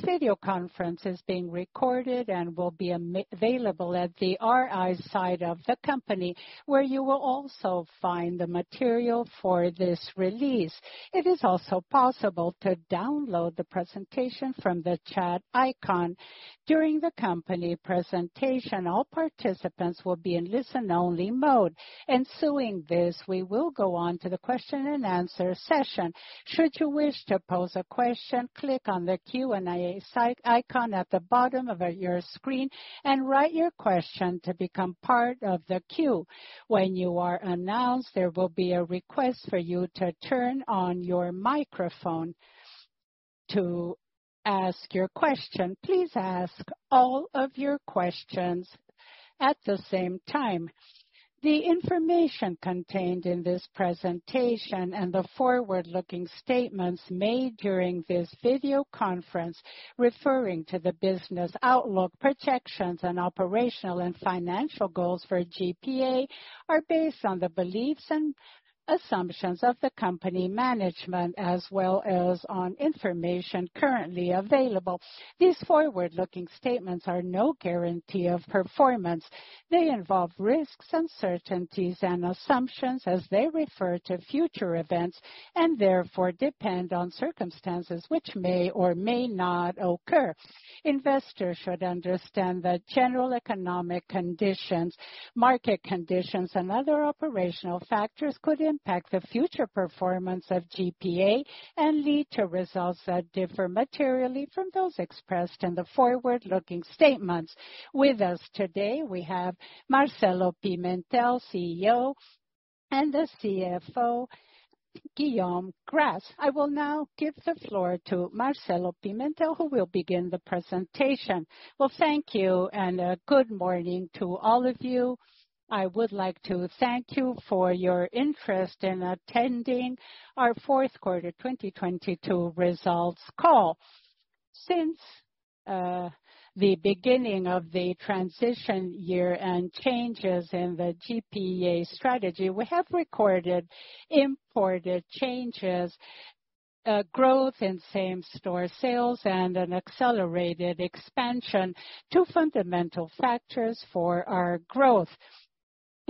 This video conference is being recorded and will be available at the RI site of the company, where you will also find the material for this release. It is also possible to download the presentation from the chat icon. During the company presentation, all participants will be in listen only mode. Ensuing this, we will go on to the question and answer session. Should you wish to pose a question, click on the Q&A site icon at the bottom of your screen and write your question to become part of the queue. When you are announced, there will be a request for you to turn on your microphone to ask your question. Please ask all of your questions at the same time. The information contained in this presentation and the forward-looking statements made during this video conference, referring to the business outlook, projections, and operational and financial goals for GPA are based on the beliefs and assumptions of the company management as well as on information currently available. These forward-looking statements are no guarantee of performance. They involve risks, uncertainties and assumptions as they refer to future events and therefore depend on circumstances which may or may not occur. Investors should understand that general economic conditions, market conditions, and other operational factors could impact the future performance of GPA and lead to results that differ materially from those expressed in the forward-looking statements. With us today we have Marcelo Pimentel, CEO, and the CFO, Guillaume Gras. I will now give the floor to Marcelo Pimentel, who will begin the presentation. Well, thank you and good morning to all of you. I would like to thank you for your interest in attending our fourth quarter 2022 results call. Since the beginning of the transition year and changes in the GPA strategy, we have recorded imported changes, growth in same-store sales and an accelerated expansion. Two fundamental factors for our growth.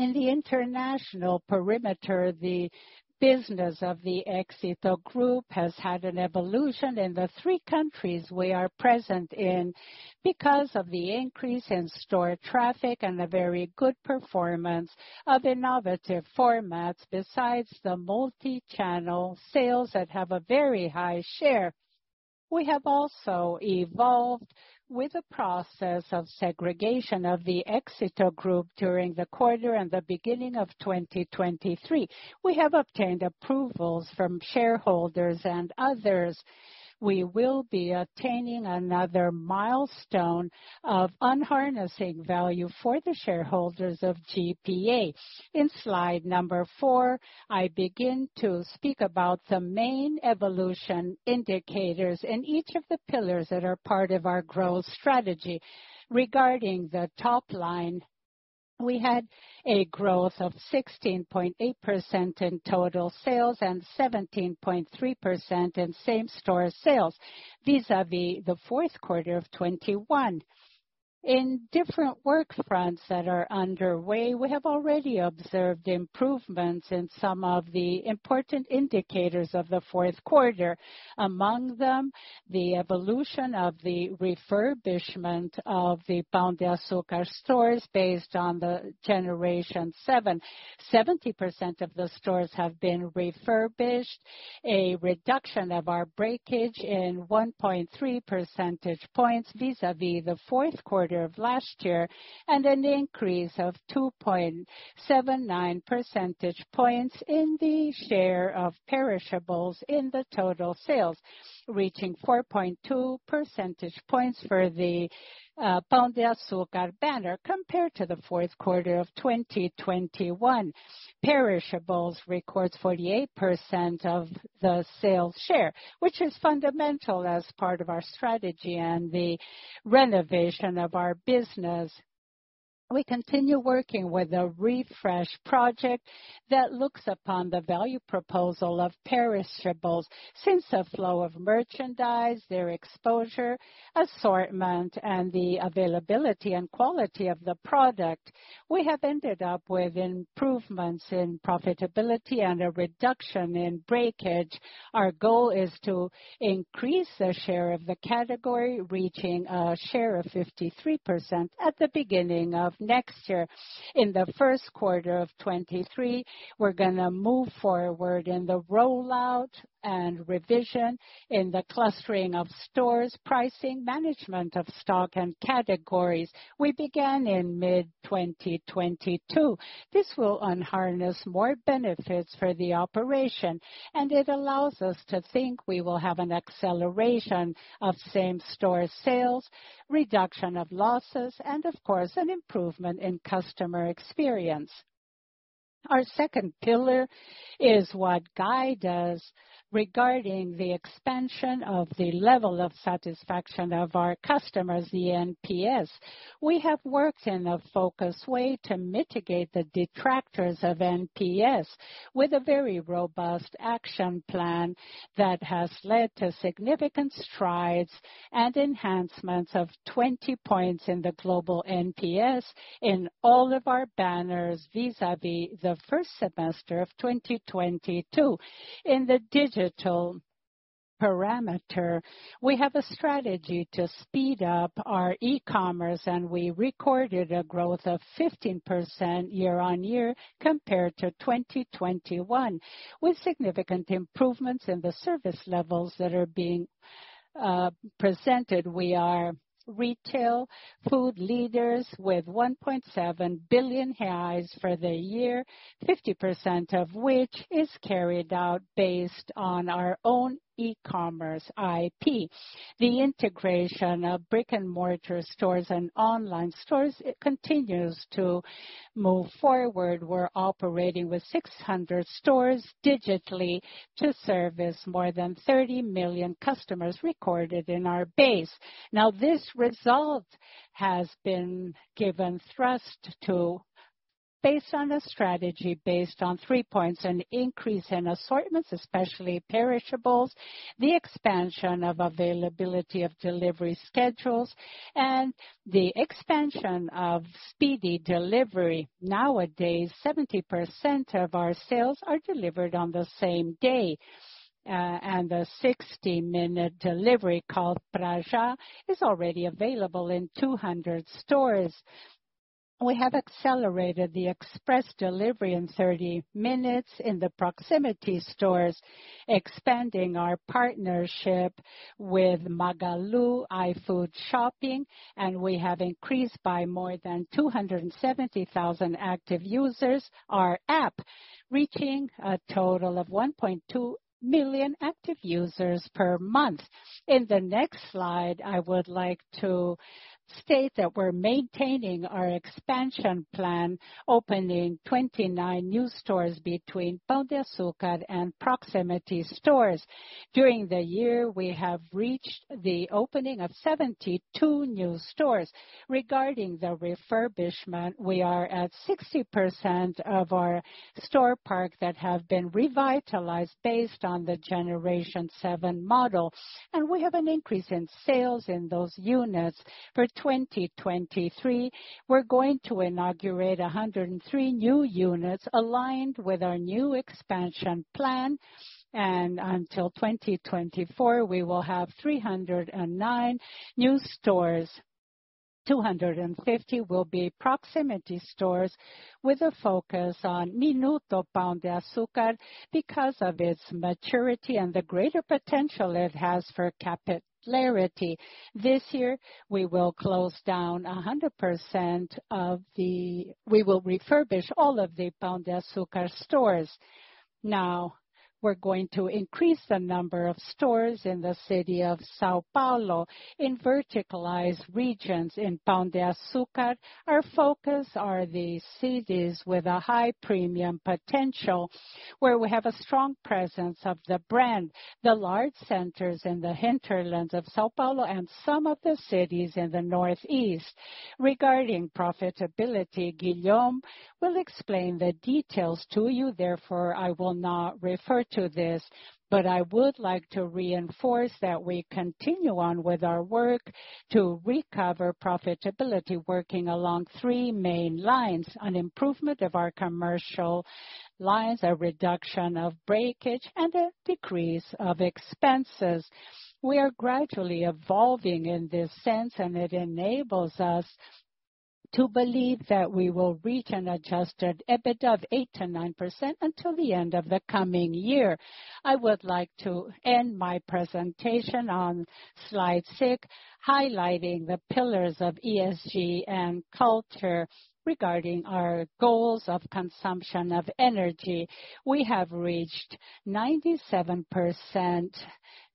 In the international perimeter, the business of the Grupo Éxito has had an evolution in the three countries we are present in because of the increase in store traffic and the very good performance of innovative formats besides the multi-channel sales that have a very high share. We have also evolved with the process of segregation of the Grupo Éxito during the quarter and the beginning of 2023. We have obtained approvals from shareholders and others. We will be attaining another milestone of unharnessing value for the shareholders of GPA. In slide number four, I begin to speak about the main evolution indicators in each of the pillars that are part of our growth strategy. Regarding the top line, we had a growth of 16.8% in total sales and 17.3% in same-store sales vis-a-vis the fourth quarter of 2021. In different work fronts that are underway, we have already observed improvements in some of the important indicators of the fourth quarter. Among them, the evolution of the refurbishment of the Pão de Açúcar stores based on the Generation 7. 70% of the stores have been refurbished. A reduction of our breakage in 1.3 percentage points vis-a-vis the fourth quarter of last year. An increase of 2.79 percentage points in the share of perishables in the total sales, reaching 4.2 percentage points for the Pão de Açúcar banner compared to the fourth quarter of 2021. Perishables records 48% of the sales share, which is fundamental as part of our strategy and the renovation of our business. We continue working with a refresh project that looks upon the value proposal of perishables since the flow of merchandise, their exposure, assortment, and the availability and quality of the product. We have ended up with improvements in profitability and a reduction in breakage. Our goal is to increase the share of the category, reaching a share of 53% at the beginning of next year. In the first quarter of 23, we're gonna move forward in the rollout and revision in the clustering of stores, pricing, management of stock and categories we began in mid-2022. This will unharness more benefits for the operation. It allows us to think we will have an acceleration of same-store sales, reduction of losses and of course, an improvement in customer experience. Our second pillar is what guide us regarding the expansion of the level of satisfaction of our customers, the NPS. We have worked in a focused way to mitigate the detractors of NPS with a very robust action plan that has led to significant strides and enhancements of 20 points in the global NPS in all of our banners, vis-à-vis the first semester of 2022. In the digital parameter, we have a strategy to speed up our E-commerce. We recorded a growth of 15% year-over-year compared to 2021, with significant improvements in the service levels that are being presented. We are retail food leaders with 1.7 billion reais for the year, 50% of which is carried out based on our own E-commerce IP. The integration of brick-and-mortar stores and online stores, it continues to move forward. We're operating with 600 stores digitally to service more than 30 million customers recorded in our base. This result has been given thrust to based on a strategy based on three points: an increase in assortments, especially perishables, the expansion of availability of delivery schedules, and the expansion of speedy delivery. Nowadays, 70% of our sales are delivered on the same day, and the 60-minute delivery called Pra Já is already available in 200 stores. We have accelerated the express delivery in 30 minutes in the proximity stores, expanding our partnership with Magalu iFood Shopping, and we have increased by more than 270,000 active users, our app reaching a total of 1.2 million active users per month. In the next slide, I would like to state that we're maintaining our expansion plan, opening 29 new stores between Pão de Açúcar and proximity stores. During the year, we have reached the opening of 72 new stores. Regarding the refurbishment, we are at 60% of our store park that have been revitalized based on the G7 model, and we have an increase in sales in those units. For 2023, we're going to inaugurate 103 new units aligned with our new expansion plan. Until 2024, we will have 309 new stores. 250 will be proximity stores with a focus on Minuto Pão de Açúcar because of its maturity and the greater potential it has for popularity. This year we will close down 100%. We will refurbish all of the Pão de Açúcar stores. Now we're going to increase the number of stores in the city of São Paulo in verticalized regions. In Pão de Açúcar, our focus are the cities with a high premium potential, where we have a strong presence of the brand, the large centers in the hinterlands of São Paulo and some of the cities in the northeast. Regarding profitability, Guillaume will explain the details to you. I will not refer to this, but I would like to reinforce that we continue on with our work to recover profitability, working along three main lines on improvement of our commercial lines, a reduction of breakage, and a decrease of expenses. We are gradually evolving in this sense, and it enables us to believe that we will reach an Adjusted EBITDA of 8%-9% until the end of the coming year. I would like to end my presentation on slide six, highlighting the pillars of ESG and culture regarding our goals of consumption of energy. We have reached 97%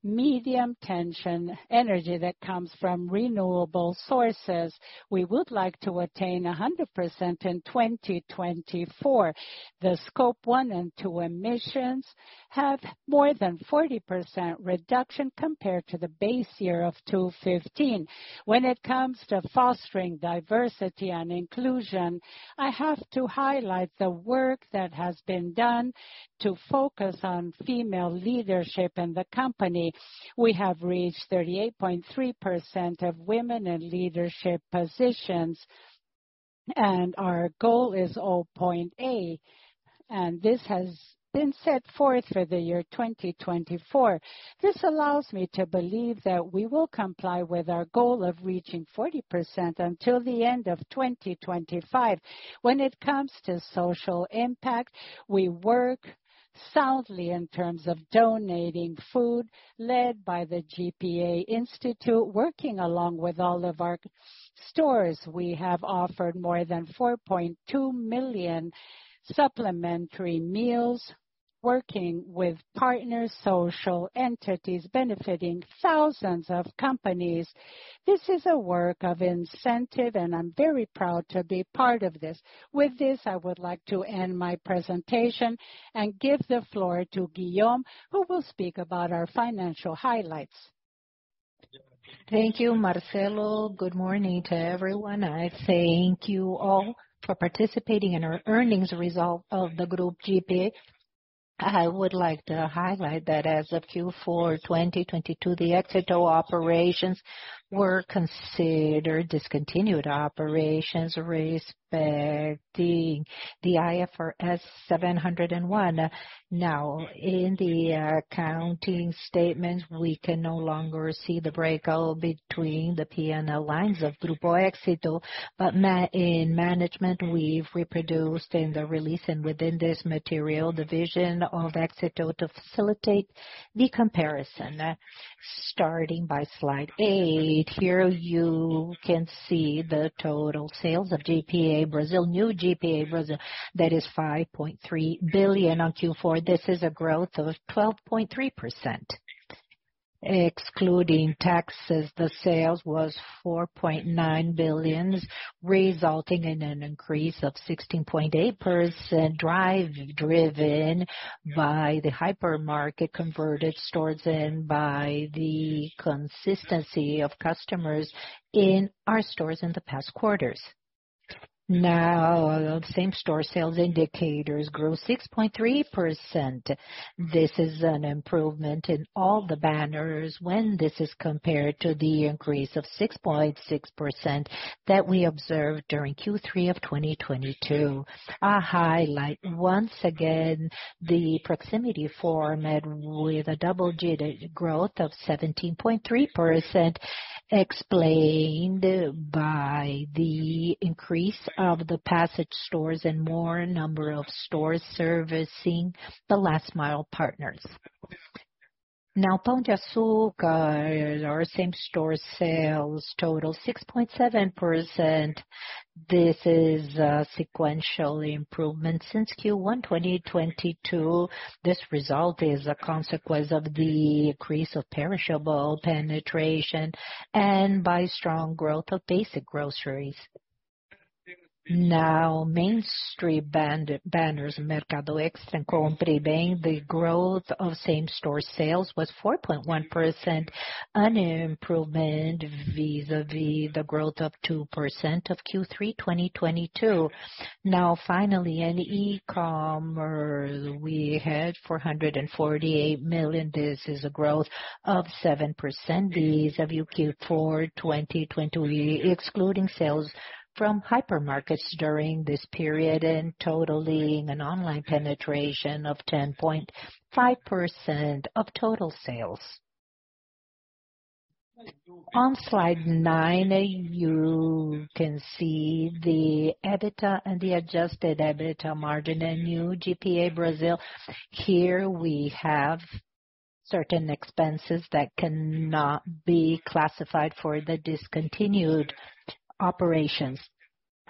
medium tension energy that comes from renewable sources. We would like to attain 100% in 2024. The scope one and two emissions have more than 40% reduction compared to the base year of 2015. When it comes to fostering diversity and inclusion, I have to highlight the work that has been done to focus on female leadership in the company. We have reached 38.3% of women in leadership positions, and our goal is all point eight, and this has been set forth for the year 2024. This allows me to believe that we will comply with our goal of reaching 40% until the end of 2025. When it comes to social impact, we work soundly in terms of donating food led by the Instituto GPA working along with all of our stores. We have offered more than 4.2 million supplementary meals. Working with partners, social entities, benefiting thousands of companies. This is a work of incentive, and I'm very proud to be part of this. With this, I would like to end my presentation and give the floor to Guillaume, who will speak about our financial highlights. Thank you, Marcelo. Good morning to everyone. I thank you all for participating in our earnings result of the Group GPA. I would like to highlight that as of Q4 2022, the Grupo Éxito operations were considered discontinued operations respecting the IFRS seven hundred and one. In management, we've reproduced in the release and within this material the vision of Grupo Éxito to facilitate the comparison. Starting by slide eight, here you can see the total sales of GPA Brazil, new GPA Brazil. That is 5.3 billion on Q4. This is a growth of 12.3%. Excluding taxes, the sales was 4.9 billion, resulting in an increase of 16.8% driven by the hypermarket converted stores and by the consistency of customers in our stores in the past quarters. Same-store sales indicators grew 6.3%. This is an improvement in all the banners when this is compared to the increase of 6.6% that we observed during Q3 of 2022. I highlight once again the proximity format with a double-digit growth of 17.3%, explained by the increase of the passage stores and more number of stores servicing the last mile partners. Pão de Açúcar, our same-store sales total 6.7%. This is a sequential improvement since Q1, 2022. This result is a consequence of the increase of perishable penetration and by strong growth of basic groceries. Mainstream band-banners, Mercado Extra and Compre Bem, the growth of same-store sales was 4.1%, an improvement vis-a-vis the growth of 2% of Q3 2022. Finally, in E-commerce, we had 448 million. This is a growth of 7% vis-a-vis Q4 2020, excluding sales from hypermarkets during this period and totaling an online penetration of 10.5% of total sales. On slide nine, you can see the EBITDA and the Adjusted EBITDA margin in new GPA Brazil. Here we have certain expenses that cannot be classified for the discontinued operations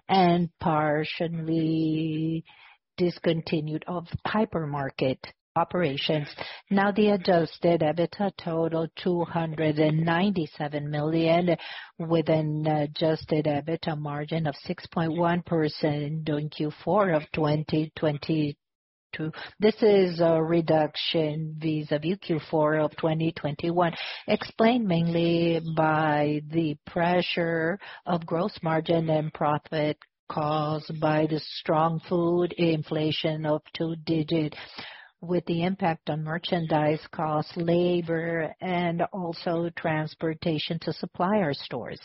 and partially discontinued of hypermarket operations. The Adjusted EBITDA totaled 297 million, with an Adjusted EBITDA margin of 6.1% during Q4 2022. This is a reduction vis-a-vis Q4 of 2021, explained mainly by the pressure of gross margin and profit caused by the strong food inflation of two-digit, with the impact on merchandise costs, labor, and also transportation to supplier stores.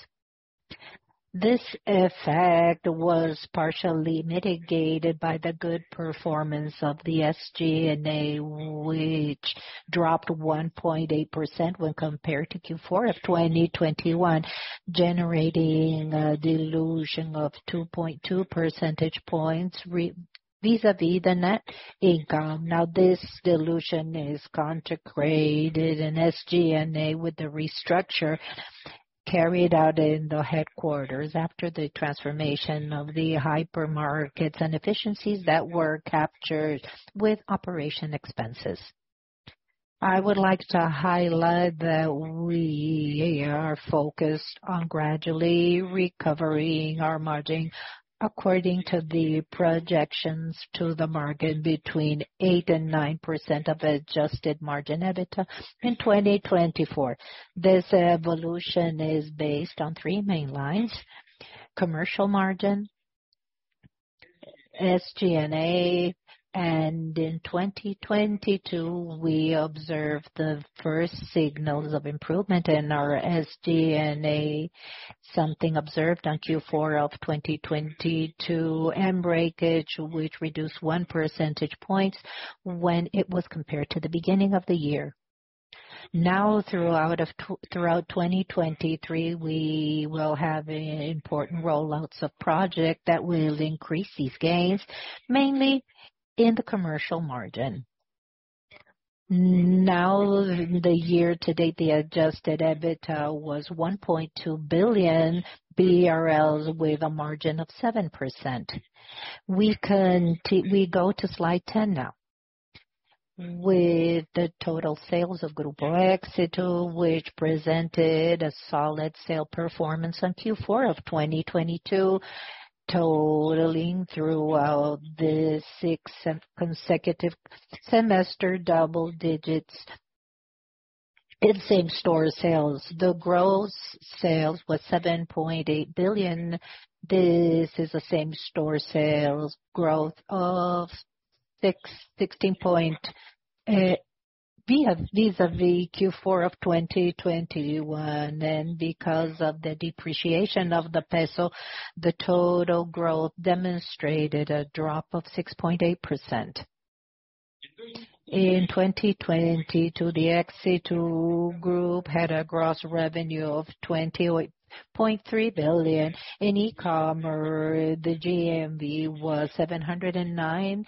This effect was partially mitigated by the good performance of the SG&A, which dropped 1.8% when compared to Q4 of 2021, generating a dilution of 2.2 percentage points vis-a-vis the net income. This dilution is consecrated in SG&A with the restructure carried out in the headquarters after the transformation of the hypermarkets and efficiencies that were captured with operation expenses. I would like to highlight that we are focused on gradually recovering our margin according to the projections to the market between 8% and 9% of adjusted margin EBITDA in 2024. This evolution is based on three main lines: commercial margin, SG&A, and in 2022, we observed the first signals of improvement in our SG&A, something observed on Q4 of 2022, and breakage, which reduced 1 percentage points when it was compared to the beginning of the year. Throughout 2023, we will have important roll-outs of project that will increase these gains, mainly in the commercial margin. The year to date, the Adjusted EBITDA was 1.2 billion BRL with a margin of 7%. We go to slide 10 now. With the total sales of Grupo Éxito, which presented a solid sale performance in Q4 of 2022, totaling throughout the 6 consecutive semester double digits in same-store sales. The gross sales was 7.8 billion. This is the same-store sales growth of 16 point vis-à-vis Q4 of 2021. Because of the depreciation of the peso, the total growth demonstrated a drop of 6.8%. In 2022, the Grupo Éxito had a gross revenue of 28.3 billion. In E-commerce, the GMV was COP 709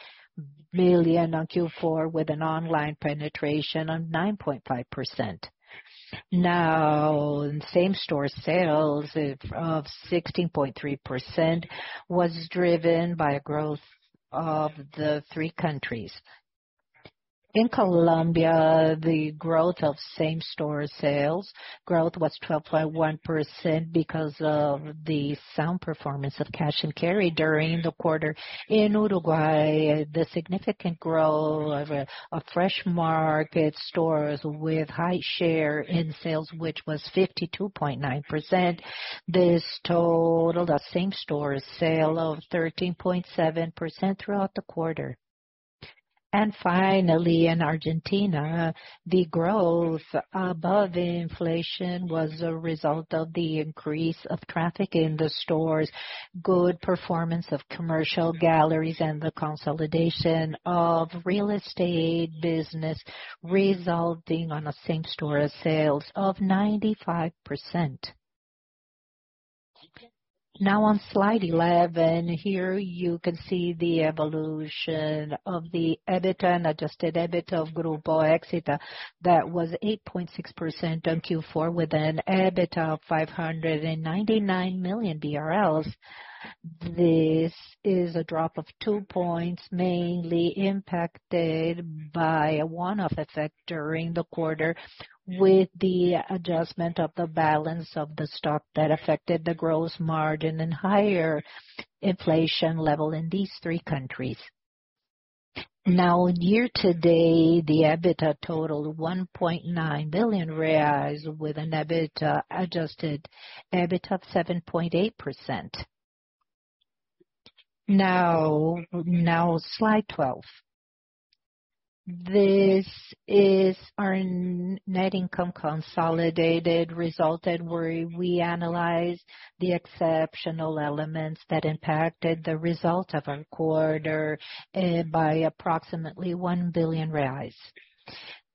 billion on Q4 with an online penetration of 9.5%. In same-store sales of 16.3% was driven by a growth of the three countries. In Colombia, the growth of same-store sales growth was 12.1% because of the sound performance of cash and carry during the quarter. In Uruguay, the significant growth of a Fresh Market stores with high share in sales, which was 52.9%. This totaled a same-store sale of 13.7% throughout the quarter. Finally, in Argentina, the growth above inflation was a result of the increase of traffic in the stores, good performance of commercial galleries, and the consolidation of real estate business, resulting on a same-store sales of 95%. On slide 11. Here you can see the evolution of the EBITDA and Adjusted EBITDA of Grupo Éxito. That was 8.6% on Q4 with an EBITDA of 599 million BRL. This is a drop of two points, mainly impacted by a one-off effect during the quarter, with the adjustment of the balance of the stock that affected the gross margin and higher inflation level in these three countries. In year to date, the EBITDA totaled 1.9 billion reais, with an Adjusted EBITDA of 7.8%. On slide 12. This is our net income consolidated result, where we analyze the exceptional elements that impacted the result of our quarter by approximately 1 billion reais.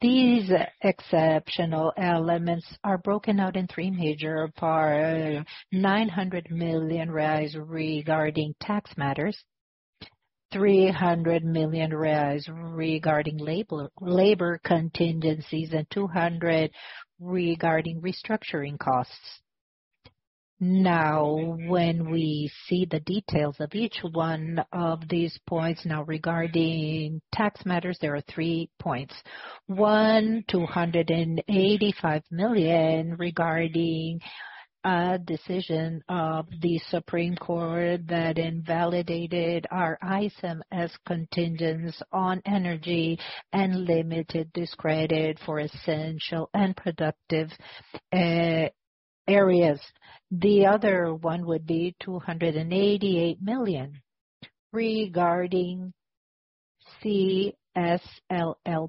These exceptional elements are broken out in three major parts: 900 million reais regarding tax matters, 300 million reais regarding labor contingencies, and 200 million regarding restructuring costs. When we see the details of each one of these points. Regarding tax matters, there are three points. One, BRL 285 million regarding a decision of the Supreme Court that invalidated our ISEM as contingents on energy and limited this credit for essential and productive areas. The other one would be 288 million regarding CSLL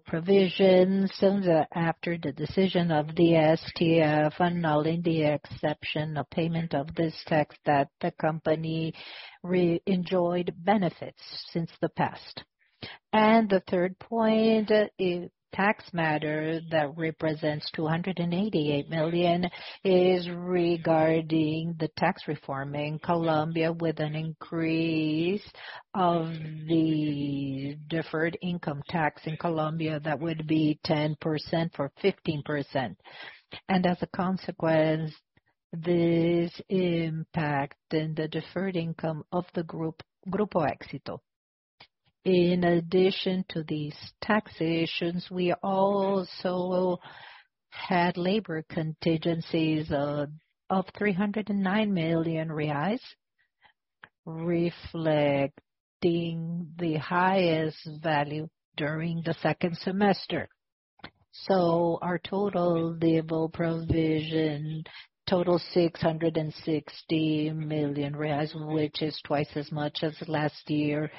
provisions after the decision of the STF annulling the exception of payment of this tax that the company enjoyed benefits since the past. The third point, a tax matter that represents 288 million, is regarding the tax reform in Colombia with an increase of the deferred income tax in Colombia. That would be 10% for 15%. As a consequence, this impacted the deferred income of Grupo Éxito. In addition to these tax issues, we also had labor contingencies of BRL 309 million, reflecting the highest value during the second semester. Our total legal provision, total 660 million reais, which is twice as much as last year.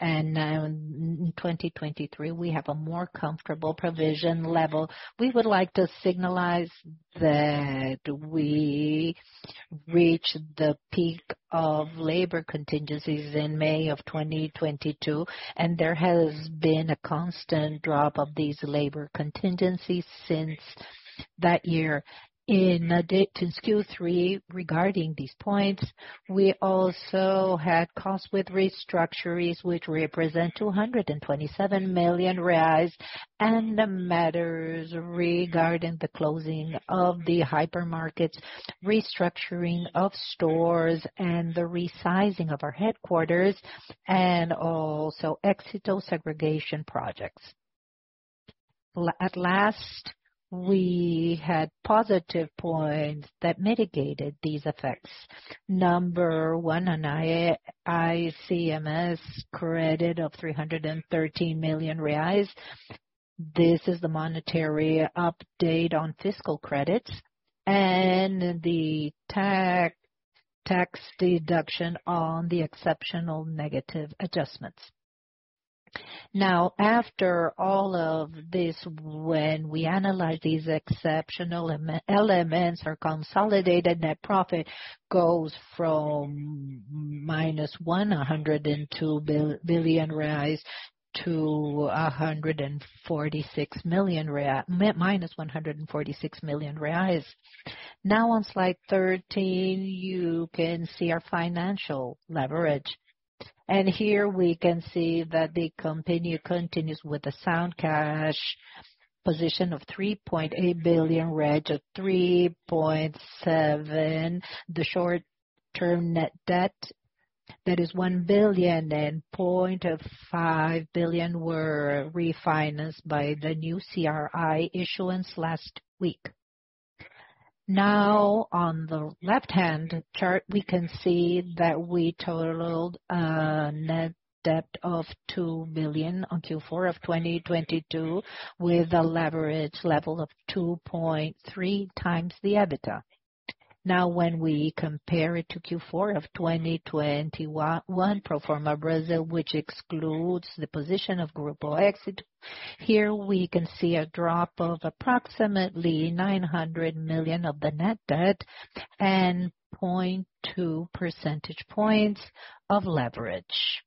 Now in 2023, we have a more comfortable provision level. We would like to signalize that we Reached the peak of labor contingencies in May of 2022, and there has been a constant drop of these labor contingencies since that year. Since Q3 regarding these points, we also had costs with restructurings which represent 227 million reais, and matters regarding the closing of the hypermarkets, restructuring of stores and the resizing of our headquarters, and also Éxito segregation projects. At last, we had positive points that mitigated these effects. Number one, an ICMS credit of 313 million reais. This is the monetary update on fiscal credits and the tax deduction on the exceptional negative adjustments. After all of this, when we analyze these exceptional elements, our consolidated net profit goes from -102 billion reais to -146 million reais. On slide 13, you can see our financial leverage. Here we can see that the company continues with the sound cash position of 3.8 billion of 3.7. The short-term net debt, that is 1.5 billion, were refinanced by the new CRI issuance last week. On the left-hand chart, we can see that we totaled a net debt of 2 billion on Q4 of 2022, with a leverage level of 2.3x the EBITDA. When we compare it to Q4 of 2021 pro forma Brazil, which excludes the position of Grupo Éxito, here we can see a drop of approximately 900 million of the net debt and 0.2 percentage points of leverage.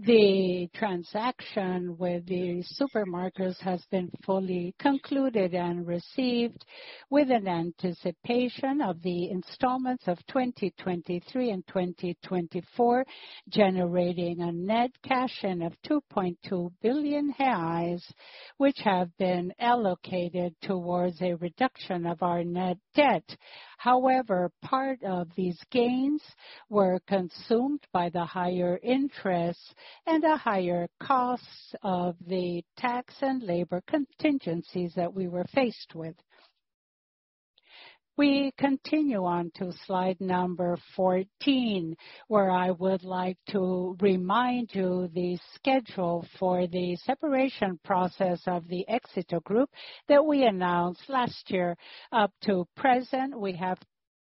The transaction with the supermarkets has been fully concluded and received, with an anticipation of the installments of 2023 and 2024, generating a net cash in of 2.2 billion reais, which have been allocated towards a reduction of our net debt. Part of these gains were consumed by the higher interest and the higher costs of the tax and labor contingencies that we were faced with. We continue on to slide number 14, where I would like to remind you the schedule for the separation process of the Grupo Éxito that we announced last year. Up to present, we have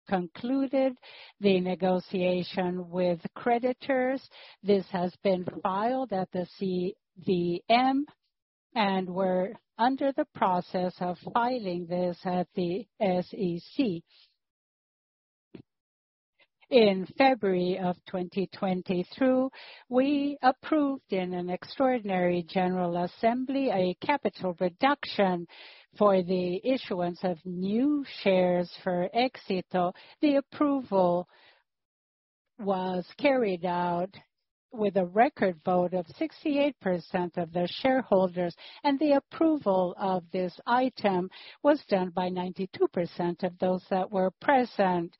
concluded the negotiation with creditors. This has been filed at the CVM, and we're under the process of filing this at the SEC. In February of 2022, we approved in an extraordinary general assembly a capital reduction for the issuance of new shares for Éxito. The approval was carried out with a record vote of 68% of the shareholders. The approval of this item was done by 92% of those that were present.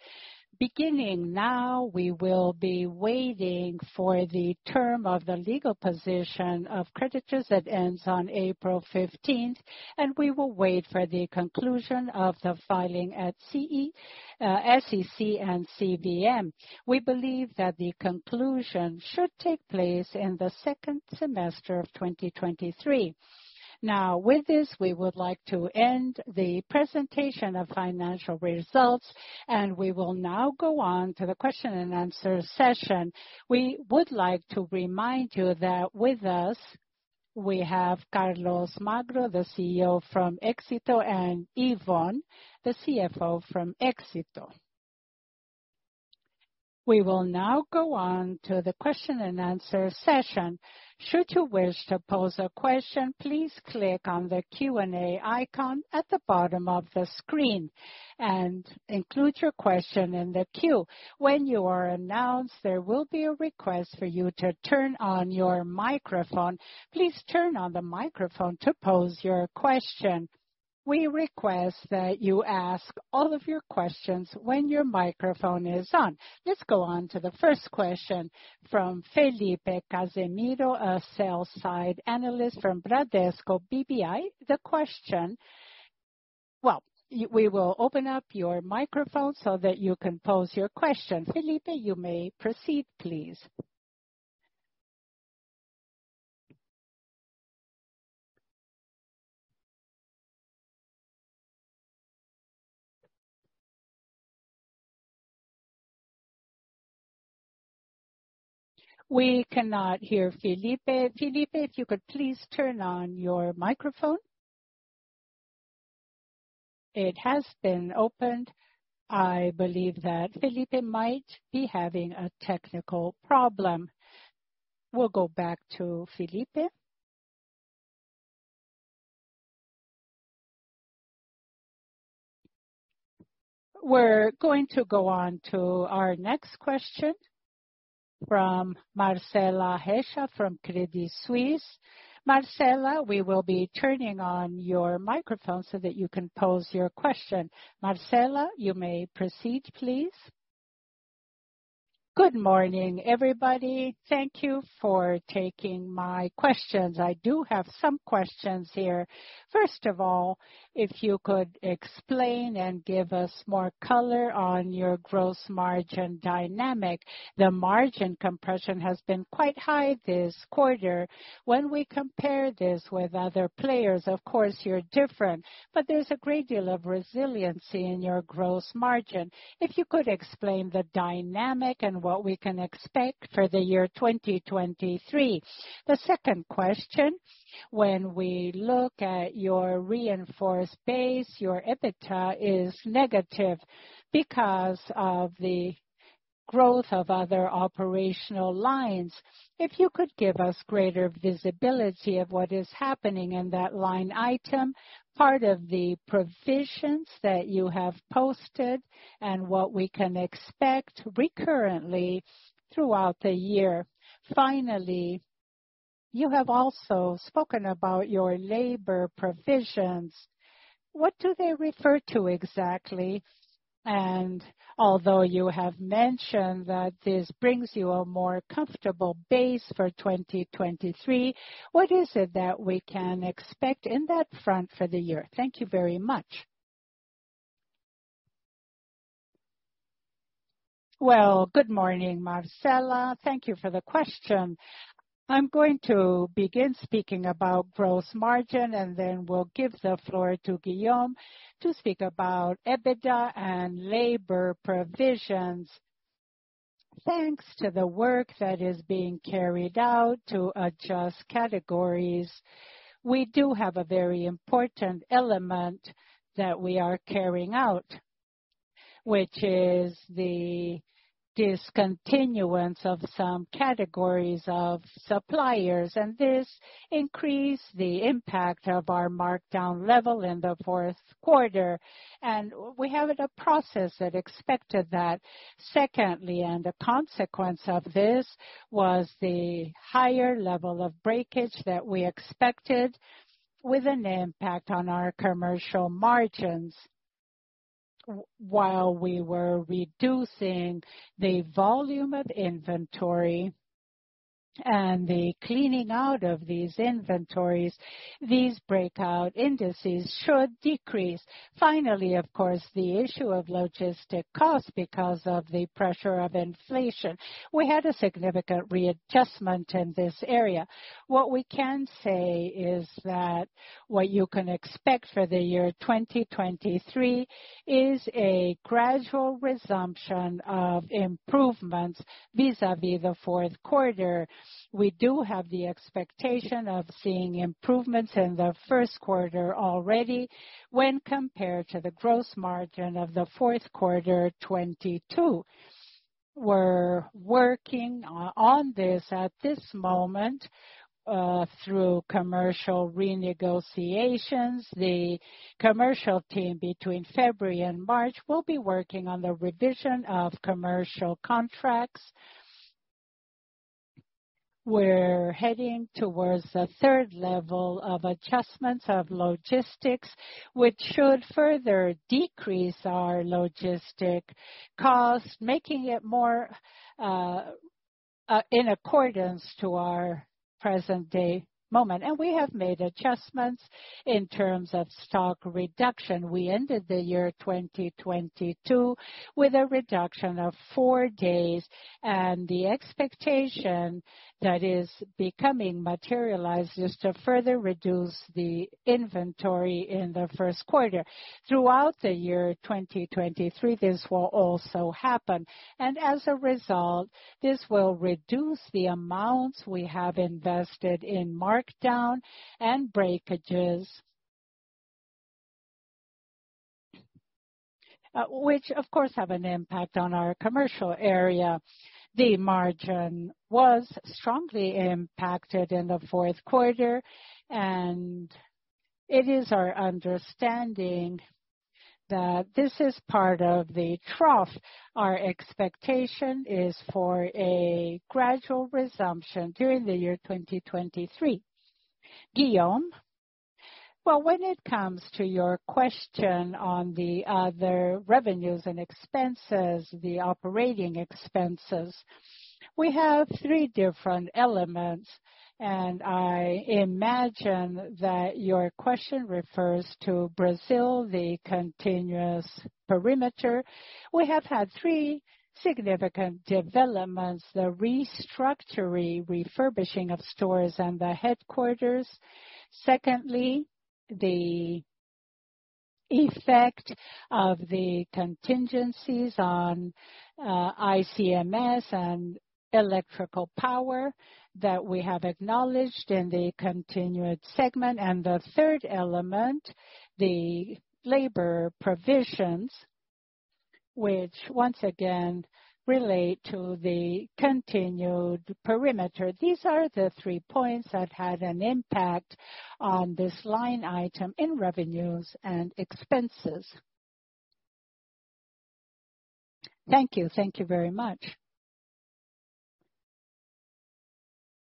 Beginning now, we will be waiting for the term of the legal position of creditors that ends on April 15th. We will wait for the conclusion of the filing at SEC and CVM. We believe that the conclusion should take place in the second semester of 2023. With this, we would like to end the presentation of financial results. We will now go on to the question-and-answer session. We would like to remind you that with us we have Carlos Magro, the CEO from Grupo Éxito, and Yvonne, the CFO from Grupo Éxito. We will now go on to the question-and-answer session. Should you wish to pose a question, please click on the Q&A icon at the bottom of the screen and include your question in the queue. When you are announced, there will be a request for you to turn on your microphone. Please turn on the microphone to pose your question. We request that you ask all of your questions when your microphone is on. Let's go on to the first question from Felipe Cassimiro, a Sell-side Analyst from Bradesco BBI. The question. Well, we will open up your microphone so that you can pose your question. Felipe, you may proceed, please. We cannot hear Felipe. Felipe, if you could please turn on your microphone. It has been opened. I believe that Felipe might be having a technical problem. We'll go back to Felipe. We're going to go on to our next question from Marcella Recchia from Credit Suisse. Marcella, we will be turning on your microphone so that you can pose your question. Marcella, you may proceed, please. Good morning, everybody. Thank you for taking my questions. I do have some questions here. First of all, if you could explain and give us more color on your gross margin dynamic. The margin compression has been quite high this quarter. When we compare this with other players, of course you're different, but there's a great deal of resiliency in your gross margin. If you could explain the dynamic and what we can expect for the year 2023. The second question, when we look at your reinforced base, your EBITDA is negative because of the growth of other operational lines. If you could give us greater visibility of what is happening in that line item, part of the provisions that you have posted and what we can expect recurrently throughout the year. Finally, you have also spoken about your labor provisions. What do they refer to exactly? Although you have mentioned that this brings you a more comfortable base for 2023, what is it that we can expect in that front for the year? Thank you very much. Well, good morning, Marcella. Thank you for the question. I'm going to begin speaking about gross margin, and then we'll give the floor to Guillaume to speak about EBITDA and labor provisions. Thanks to the work that is being carried out to adjust categories, we do have a very important element that we are carrying out, which is the discontinuance of some categories of suppliers. This increased the impact of our markdown level in the fourth quarter. We have a process that expected that. Secondly, and a consequence of this, was the higher level of breakage that we expected with an impact on our commercial margins. While we were reducing the volume of inventory and the cleaning out of these inventories, these breakout indices should decrease. Finally, of course, the issue of logistic cost because of the pressure of inflation. We had a significant readjustment in this area. What we can say is that what you can expect for the year 2023 is a gradual resumption of improvements vis-a-vis the fourth quarter. We do have the expectation of seeing improvements in the first quarter already when compared to the gross margin of the fourth quarter 2022. We're working on this at this moment, through commercial renegotiations. The commercial team between February and March will be working on the revision of commercial contracts. We're heading towards the third level of adjustments of logistics, which should further decrease our logistic cost, making it more in accordance to our present day moment. We have made adjustments in terms of stock reduction. We ended the year 2022 with a reduction of four days, and the expectation that is becoming materialized is to further reduce the inventory in the first quarter. Throughout the year 2023, this will also happen. As a result, this will reduce the amounts we have invested in markdown and breakages. Which of course have an impact on our commercial area. The margin was strongly impacted in the fourth quarter, and it is our understanding that this is part of the trough. Our expectation is for a gradual resumption during the year 2023. Guillaume? Well, when it comes to your question on the other revenues and expenses, the operating expenses, we have three different elements. I imagine that your question refers to Brazil, the continuous perimeter. We have had three significant developments, the restructuring, refurbishing of stores and the headquarters. Secondly, the effect of the contingencies on ICMS and electrical power that we have acknowledged in the continued segment. The third element, the labor provisions, which once again relate to the continued perimeter. These are the three points that had an impact on this line item in revenues and expenses. Thank you. Thank you very much.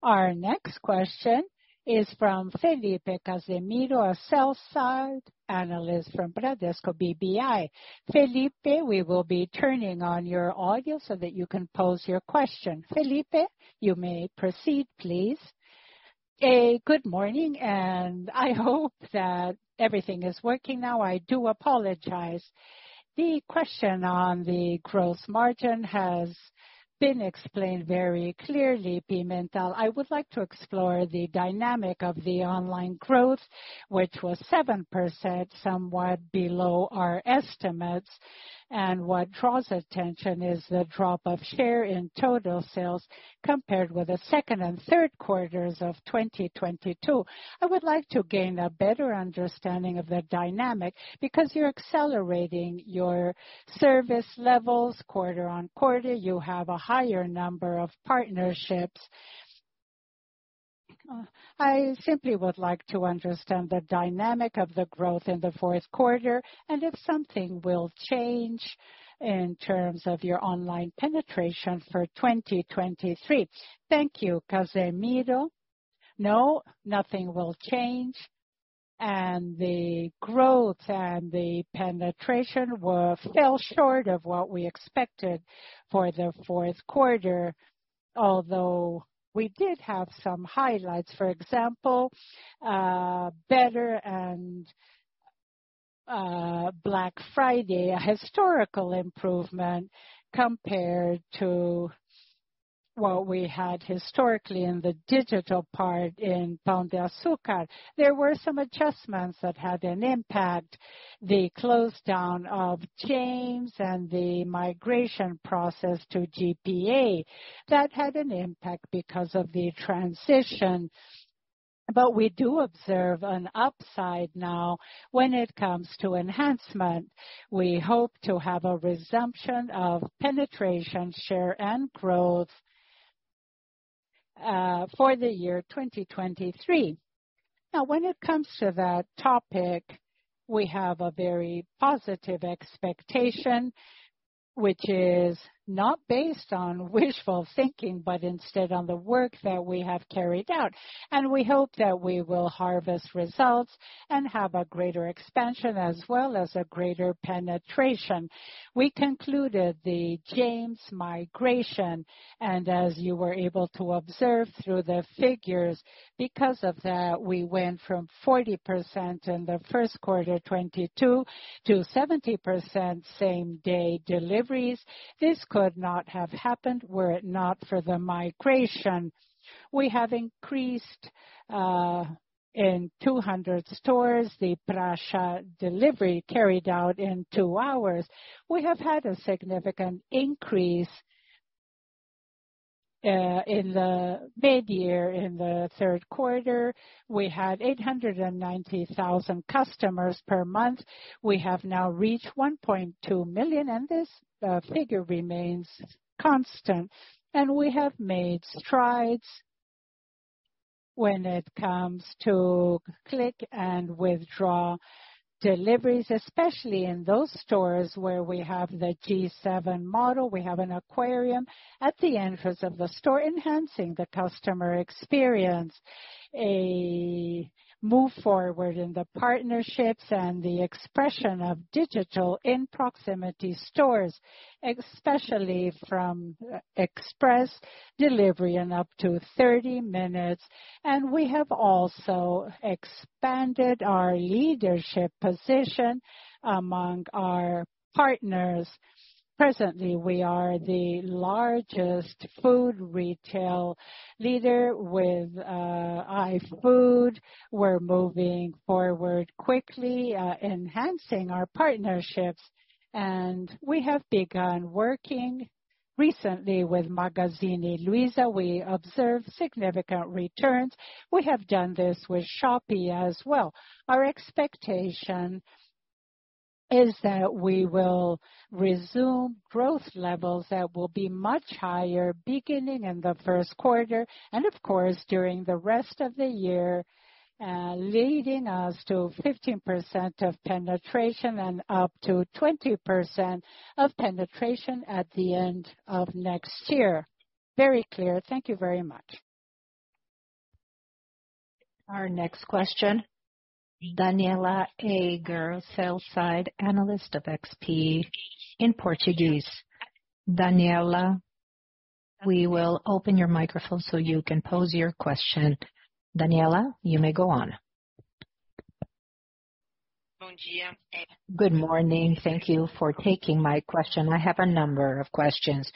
Our next question is from Felipe Cassimiro, a sell-side analyst from Bradesco BBI. Felipe, we will be turning on your audio so that you can pose your question. Felipe, you may proceed, please. A good morning. I hope that everything is working now. I do apologize. The question on the gross margin has been explained very clearly, Pimentel. I would like to explore the dynamic of the online growth, which was 7%, somewhat below our estimates. What draws attention is the drop of share in total sales compared with the second and third quarters of 2022. I would like to gain a better understanding of the dynamic because you're accelerating your service levels quarter-on-quarter. You have a higher number of partnerships. I simply would like to understand the dynamic of the growth in the fourth quarter and if something will change in terms of your online penetration for 2023. Thank you. Casemiro. No, nothing will change. The growth and the penetration were fell short of what we expected for the fourth quarter although we did have some highlights. For example, better and Black Friday, a historical improvement compared to what we had historically in the digital part in Pão de Açúcar. There were some adjustments that had an impact. The closed down of James and the migration process to GPA. That had an impact because of the transition. We do observe an upside now when it comes to enhancement. We hope to have a resumption of penetration share and growth for the year 2023. When it comes to that topic, we have a very positive expectation which is not based on wishful thinking but instead on the work that we have carried out. We hope that we will harvest results and have a greater expansion as well as a greater penetration. We concluded the James Delivery migration, and as you were able to observe through the figures, because of that we went from 40% in the first quarter of 2022 to 70% same-day deliveries. This could not have happened were it not for the migration. We have increased in 200 stores the Pra Já delivery carried out in two hours. We have had a significant increase in the mid-year. In the third quarter, we had 890,000 customers per month. We have now reached 1.2 million and this figure remains constant. We have made strides when it comes to click and withdraw deliveries, especially in those stores where we have the G7 model. We have an aquarium at the entrance of the store enhancing the customer experience. A move forward in the partnerships and the expression of digital in proximity stores, especially from express delivery in up to 30 minutes. We have also expanded our leadership position among our partners. Presently, we are the largest food retail leader with iFood. We're moving forward quickly, enhancing our partnerships. We have begun working recently with Magazine Luíza. We observed significant returns. We have done this with Shopee as well. Our expectation is that we will resume growth levels that will be much higher beginning in the first quarter and of course during the rest of the year, leading us to 15% of penetration and up to 20% of penetration at the end of next year. Very clear. Thank you very much. Our next question, Danniela Eiger, Sell-side Analyst of XP in Portuguese. Danniela, we will open your microphone so you can pose your question. Danniela, you may go on. Good morning. Thank you for taking my question. I have a number of questions.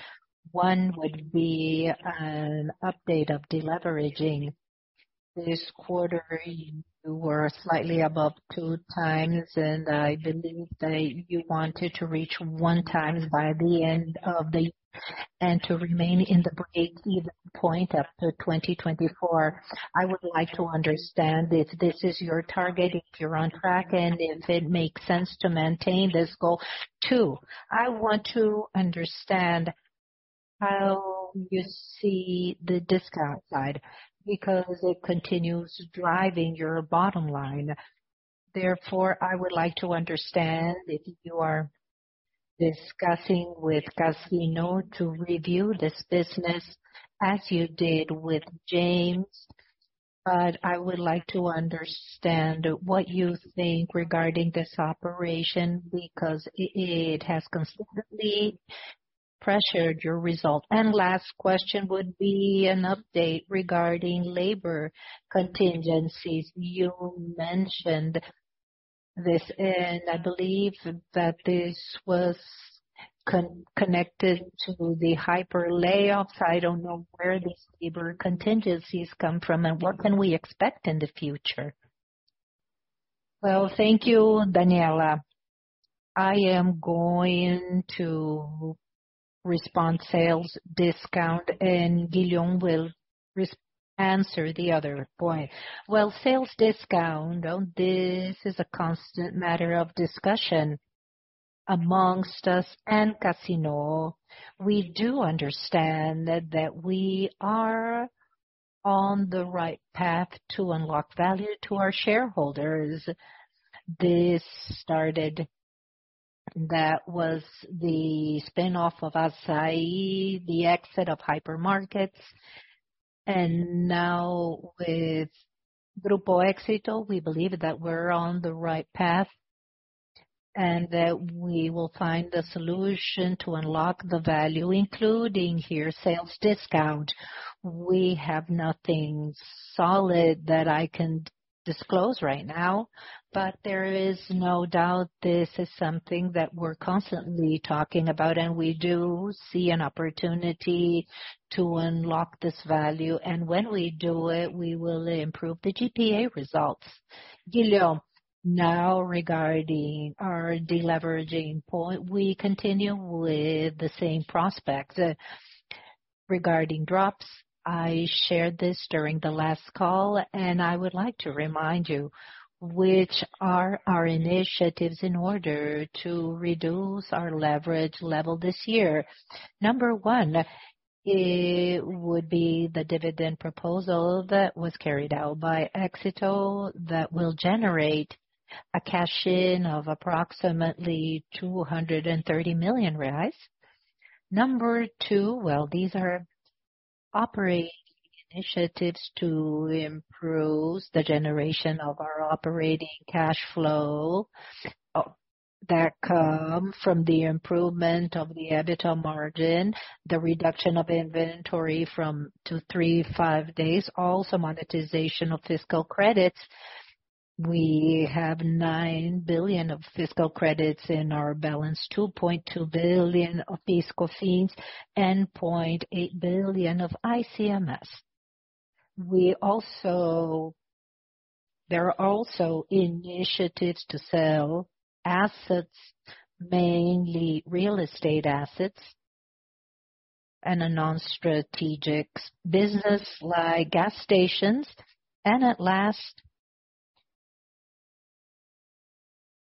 One would be an update of deleveraging. This quarter, you were slightly above 2x, and I believe that you wanted to reach 1x by the end of the and to remain in the break-even point after 2024. I would like to understand if this is your target, if you're on track, and if it makes sense to maintain this goal. Two, I want to understand how you see the discount side because it continues driving your bottom line. Therefore, I would like to understand if you are discussing with Casino to review this business as you did with James. I would like to understand what you think regarding this operation because it has consistently pressured your result. Last question would be an update regarding labor contingencies. You mentioned this, and I believe that this was connected to the hyper layoffs. I don't know where these labor contingencies come from and what can we expect in the future. Well, thank you, Danniela. I am going to respond sales discount and Guillaume will answer the other point. Well, sales discount on this is a constant matter of discussion amongst us and Casino. We do understand that we are on the right path to unlock value to our shareholders. That was the spin-off of Assaí, the exit of hyper markets, and now with Grupo Éxito, we believe that we're on the right path and that we will find a solution to unlock the value, including here sales discount. We have nothing solid that I can disclose right now, but there is no doubt this is something that we're constantly talking about, and we do see an opportunity to unlock this value. When we do it, we will improve the GPA results. Guillaume, now regarding our deleveraging point, we continue with the same prospects. Drops, I shared this during the last call, and I would like to remind you which are our initiatives in order to reduce our leverage level this year. Number one would be the dividend proposal that was carried out by Grupo Éxito that will generate a cash-in of approximately 230 million reais. Number two, well, these are operating initiatives to improve the generation of our operating cash flow that come from the improvement of the EBITDA margin, the reduction of inventory from to 3-5 days, also monetization of fiscal credits. We have 9 billion of fiscal credits in our balance, 2.2 billion of fiscal fees, and 0.8 billion of ICMS. There are also initiatives to sell assets, mainly real estate assets and a non-strategic business like gas stations. At last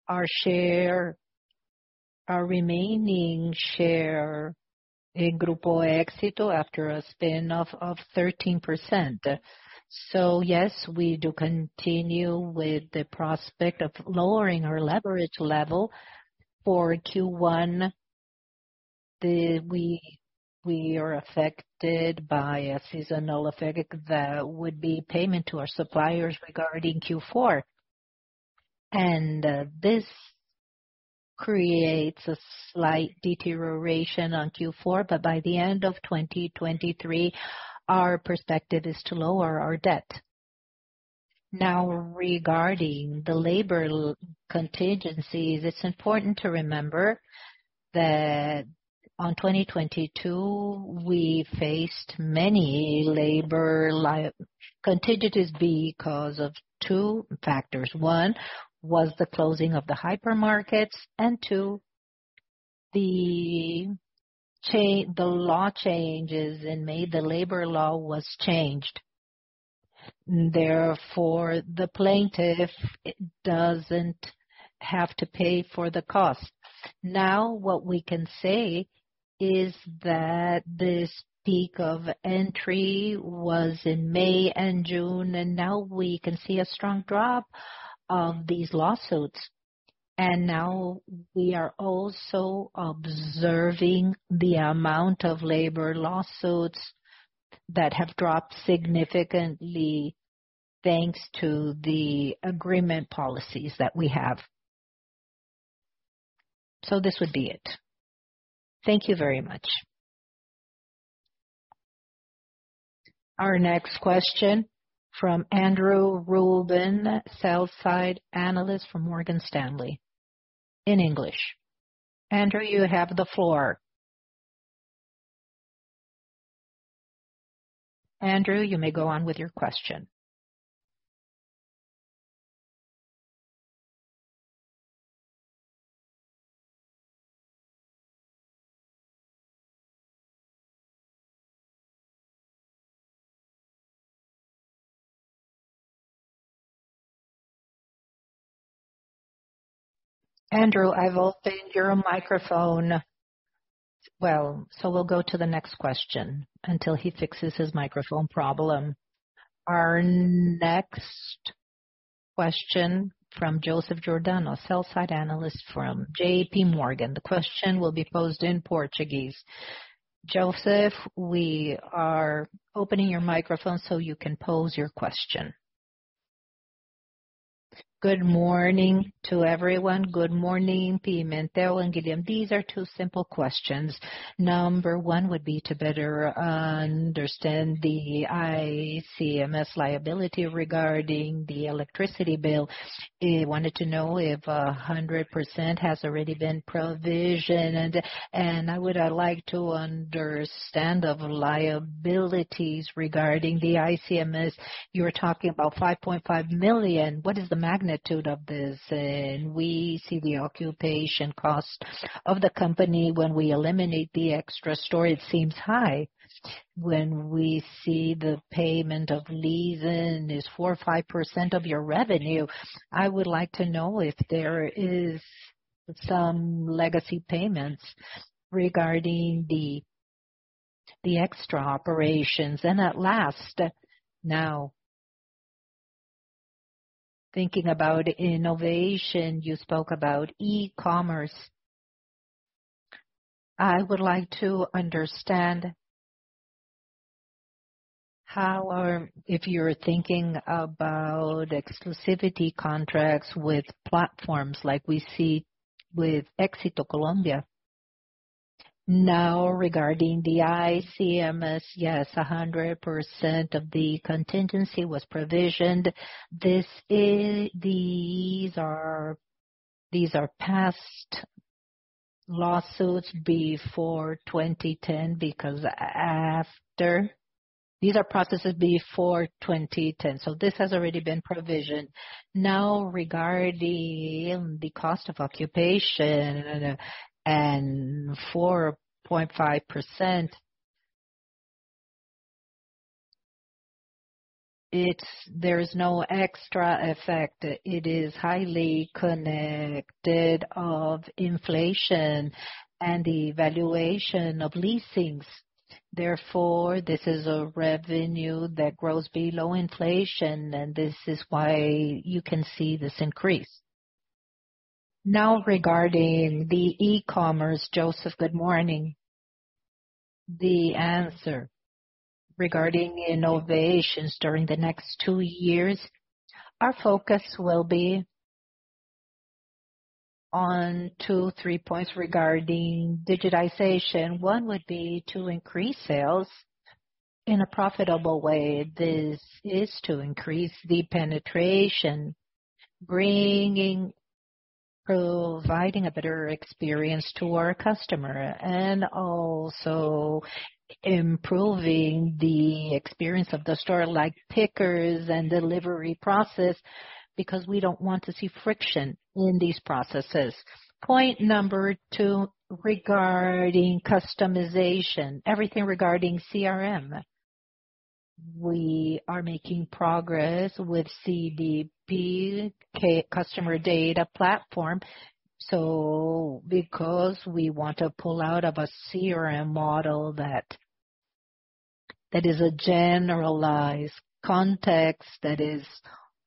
our share, our remaining share in Grupo Éxito after a spin-off of 13%. Yes, we do continue with the prospect of lowering our leverage level. For Q1, we are affected by a seasonal effect that would be payment to our suppliers regarding Q4. This creates a slight deterioration on Q4, but by the end of 2023, our perspective is to lower our debt. Now, regarding the labor contingencies, it's important to remember that on 2022, we faced many labor contingencies because of 2 factors. One was the closing of the hypermarkets and two, the law changes. In May, the labor law was changed. Therefore, the plaintiff doesn't have to pay for the cost. What we can say is that this peak of entry was in May and June, and now we can see a strong drop of these lawsuits. Now we are also observing the amount of labor lawsuits that have dropped significantly, thanks to the agreement policies that we have. This would be it. Thank you very much. Our next question from Andrew Ruben, sell-side analyst from Morgan Stanley in English. Andrew, you have the floor. Andrew, you may go on with your question. Andrew, I've altered your microphone. We'll go to the next question until he fixes his microphone problem. Our next question from Joseph Giordano, sell-side analyst from JPMorgan. The question will be posed in Portuguese. Joseph, we are opening your microphone so you can pose your question. Good morning to everyone. Good morning, Pimentel and Guilherme. These are two simple questions. Number one would be to better understand the ICMS liability regarding the electricity bill. I wanted to know if 100% has already been provisioned, and I would like to understand the liabilities regarding the ICMS. You are talking about 5.5 million. What is the magnitude of this? We see the occupation cost of the company when we eliminate the Extra stores, it seems high. When we see the payment of leasing is 4% or 5% of your revenue. I would like to know if there is some legacy payments regarding the Extra operations. At last, now thinking about innovation, you spoke about eE-commerce. I would like to understand if you're thinking about exclusivity contracts with platforms like we see with Éxito Colombia. Regarding the ICMS, yes, 100% of the contingency was provisioned. These are past lawsuits before 2010, because after... These are processes before 2010, this has already been provisioned. Regarding the cost of occupation and 4.5%. There's no extra effect. It is highly connected of inflation and the valuation of leasings. This is a revenue that grows below inflation, and this is why you can see this increase. Regarding the E-commerce. Joseph, good morning. The answer regarding innovations during the next two years, our focus will be on 2, 3 points regarding digitization. One would be to increase sales in a profitable way. This is to increase the penetration, providing a better experience to our customer and also improving the experience of the store, like pickers and delivery process, because we don't want to see friction in these processes. Point 2 regarding customization, everything regarding CRM. We are making progress with CDP, Customer Data Platform. Because we want to pull out of a CRM model that is a generalized context that is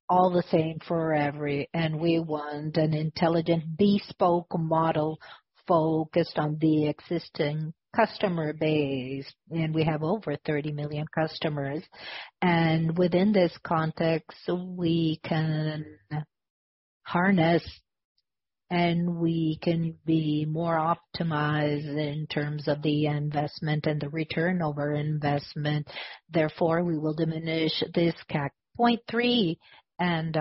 all the same for every. We want an intelligent bespoke model focused on the existing customer base, and we have over 30 million customers. Within this context, we can harness and we can be more optimized in terms of the investment and the return over investment. Therefore, we will diminish this CAC. Point 3, and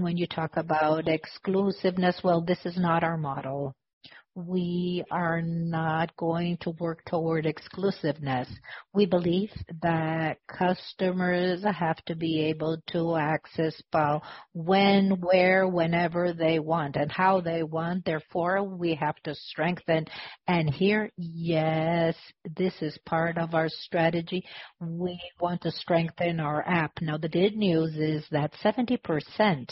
when you talk about exclusiveness, well, this is not our model. We are not going to work toward exclusiveness. We believe that customers have to be able to access Pão when, where, whenever they want and how they want. We have to strengthen. Here, yes, this is part of our strategy. We want to strengthen our app. The good news is that 70%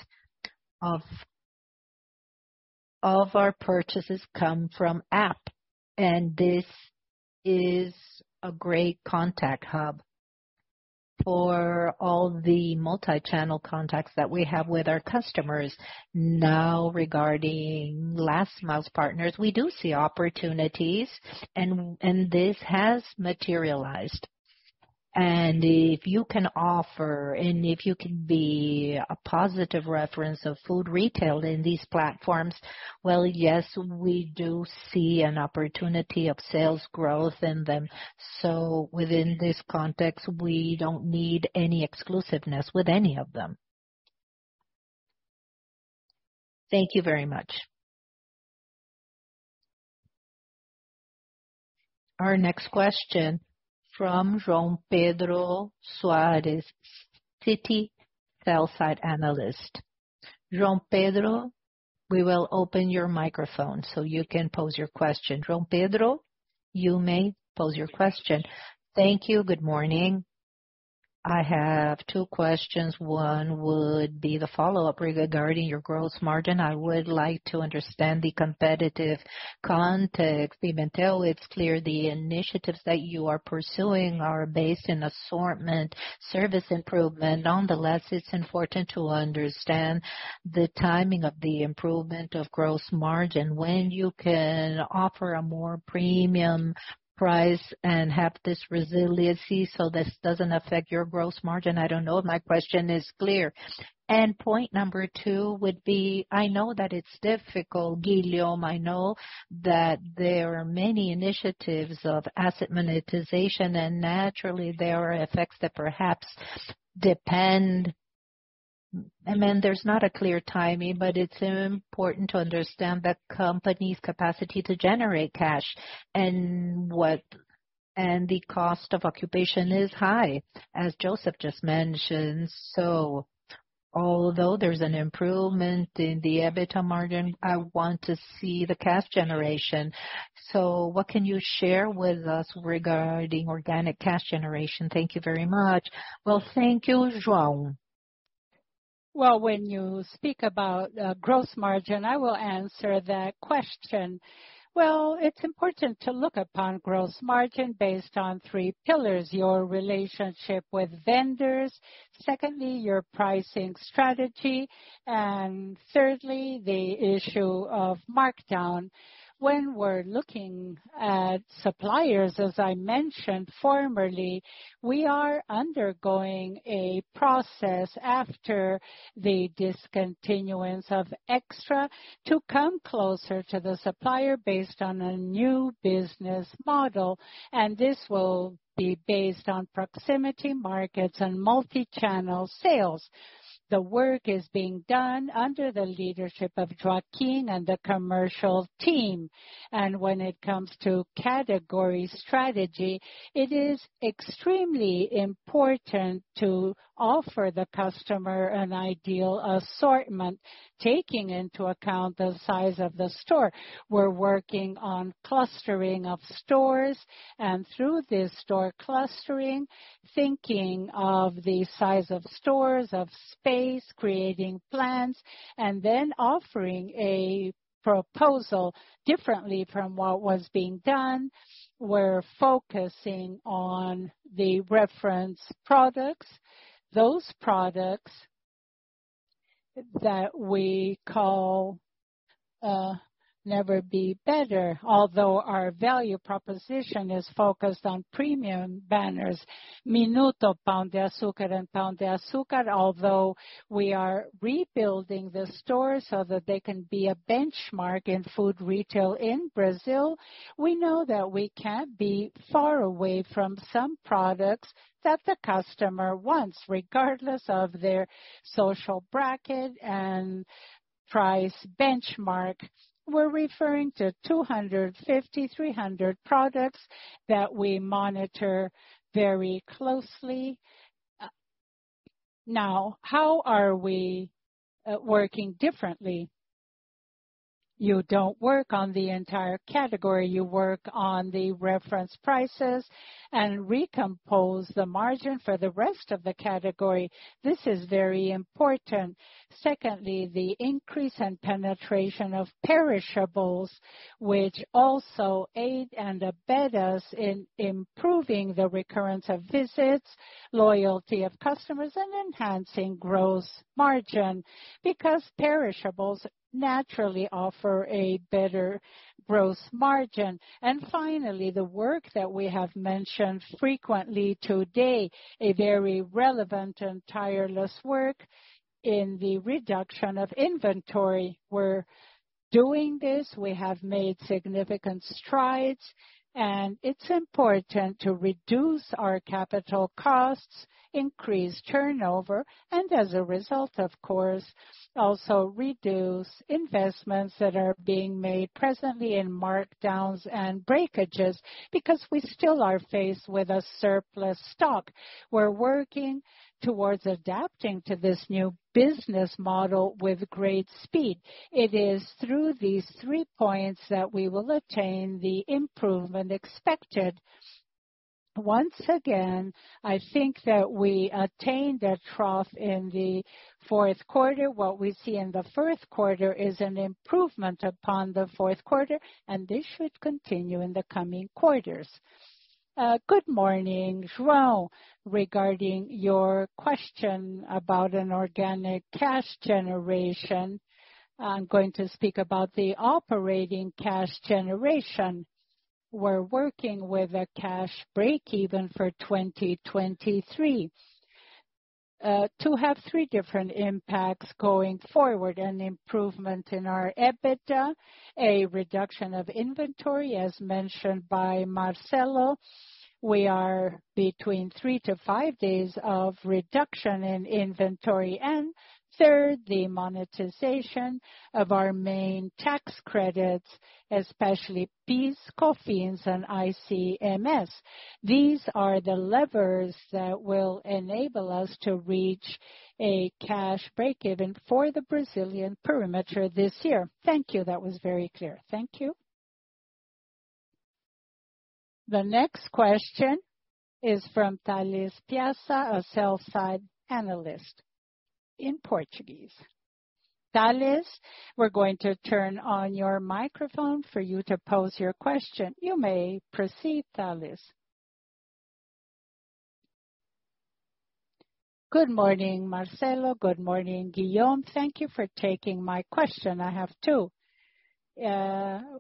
of our purchases come from app, this is a great contact hub for all the multi-channel contacts that we have with our customers. Regarding last mile partners, we do see opportunities and this has materialized. If you can offer and if you can be a positive reference of food retail in these platforms, well, yes, we do see an opportunity of sales growth in them. Within this context, we don't need any exclusiveness with any of them. Thank you very much. Our next question from João Pedro Soares, Citi, Sell-side Analyst. João Pedro, we will open your microphone so you can pose your question. João Pedro, you may pose your question. Thank you. Good morning. I have two questions. One would be the follow-up regarding your gross margin. I would like to understand the competitive context. Even though it's clear the initiatives that you are pursuing are based in assortment, service improvement. Nonetheless, it's important to understand the timing of the improvement of gross margin when you can offer a more premium price and have this resiliency so this doesn't affect your gross margin. I don't know if my question is clear. Point number two would be, I know that it's difficult, Guillaume. I know that there are many initiatives of asset monetization, and naturally, there are effects that perhaps depend. There's not a clear timing, but it's important to understand the company's capacity to generate cash and the cost of occupation is high, as Joseph just mentioned. Although there's an improvement in the EBITDA margin, I want to see the cash generation. What can you share with us regarding organic cash generation? Thank you very much. Thank you, João. Well, when you speak about gross margin, I will answer that question. Well, it's important to look upon gross margin based on 3 pillars: your relationship with vendors, secondly, your pricing strategy, and thirdly, the issue of markdown. We're looking at suppliers, as I mentioned formerly, we are undergoing a process after the discontinuance of Extra to come closer to the supplier based on a new business model, and this will be based on proximity markets and multi-channel sales. The work is being done under the leadership of Joaquin and the commercial team. When it comes to category strategy, it is extremely important to offer the customer an ideal assortment, taking into account the size of the store. We're working on clustering of stores, and through this store clustering, thinking of the size of stores, of space, creating plans, and then offering a proposal differently from what was being done. We're focusing on the reference products, those products that we call Never Be Better. Although our value proposition is focused on premium banners, Minuto Pão de Açúcar and Pão de Açúcar. Although we are rebuilding the store so that they can be a benchmark in food retail in Brazil, we know that we can't be far away from some products that the customer wants, regardless of their social bracket and price benchmark. We're referring to 250, 300 products that we monitor very closely. Now, how are we working differently? You don't work on the entire category. You work on the reference prices and recompose the margin for the rest of the category. This is very important. The increase in penetration of perishables, which also aid and abet us in improving the recurrence of visits, loyalty of customers, and enhancing gross margin, because perishables naturally offer a better gross margin. Finally, the work that we have mentioned frequently today, a very relevant and tireless work in the reduction of inventory. We're doing this. We have made significant strides, and it's important to reduce our capital costs, increase turnover, and as a result, of course, also reduce investments that are being made presently in markdowns and breakages because we still are faced with a surplus stock. We're working towards adapting to this new business model with great speed. It is through these three points that we will attain the improvement expected. Once again, I think that we attained a trough in the fourth quarter. What we see in the first quarter is an improvement upon the fourth quarter. This should continue in the coming quarters. Good morning, João. Regarding your question about an organic cash generation, I'm going to speak about the operating cash generation. We're working with a cash breakeven for 2023 to have three different impacts going forward. An improvement in our EBITDA, a reduction of inventory as mentioned by Marcelo. We are between 3-5 days of reduction in inventory. Third, the monetization of our main tax credits, especially PIS/Cofins and ICMS. These are the levers that will enable us to reach a cash breakeven for the Brazilian perimeter this year. Thank you. That was very clear. Thank you. The next question is from Thales Peixoto, a sell side analyst in Portuguese. Thales, we're going to turn on your microphone for you to pose your question. You may proceed, Thales. Good morning, Marcelo. Good morning, Guillaume. Thank you for taking my question. I have two.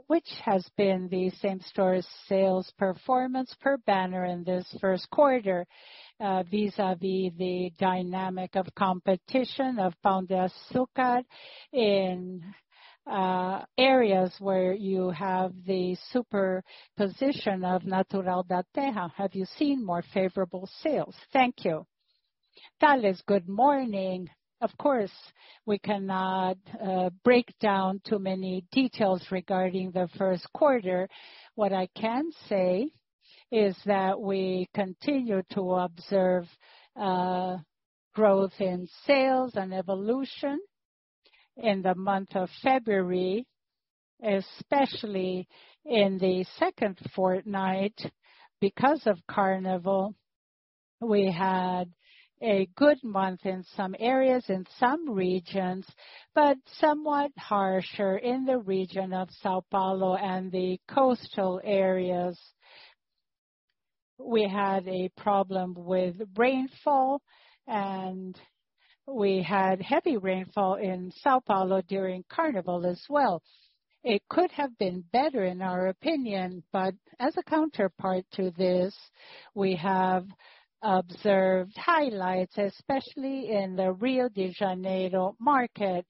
Which has been the same-store sales performance per banner in this 1st quarter, vis-a-vis the dynamic of competition of Pão de Açúcar in areas where you have the superposition of Natural da Terra. Have you seen more favorable sales? Thank you. Thales, good morning. Of course, we cannot break down too many details regarding the first quarter. What I can say is that we continue to observe growth in sales and evolution in the month of February, especially in the second fortnight because of Carnival. We had a good month in some areas, in some regions, but somewhat harsher in the region of São Paulo and the coastal areas. We had a problem with rainfall, we had heavy rainfall in São Paulo during Carnival as well. It could have been better, in our opinion, as a counterpart to this, we have observed highlights, especially in the Rio de Janeiro market,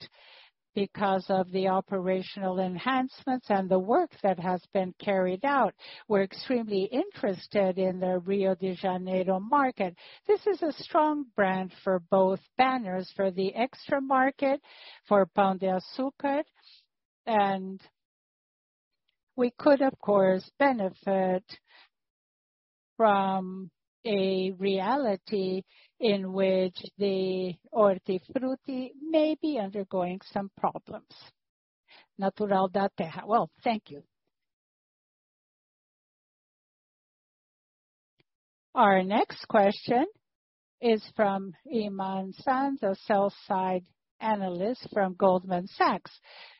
because of the operational enhancements and the work that has been carried out. We're extremely interested in the Rio de Janeiro market. This is a strong brand for both banners, for the Extra market, for Pão de Açúcar, we could, of course, benefit from a reality in which the Hortifruti may be undergoing some problems. Natural da Terra. Well, thank you. Our next question is from Irma Sgarz, a Sell-side Analyst from Goldman Sachs.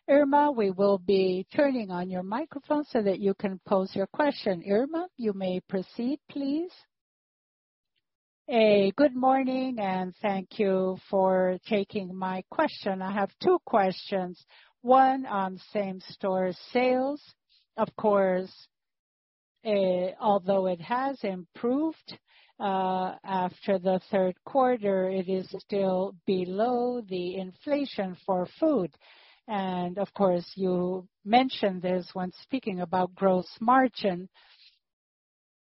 Irma, we will be turning on your microphone so that you can pose your question. Irma, you may proceed, please. Good morning, and thank you for taking my question. I have two questions. One on same-store sales. Of course, although it has improved, after the third quarter, it is still below the inflation for food. Of course, you mentioned this when speaking about gross margin.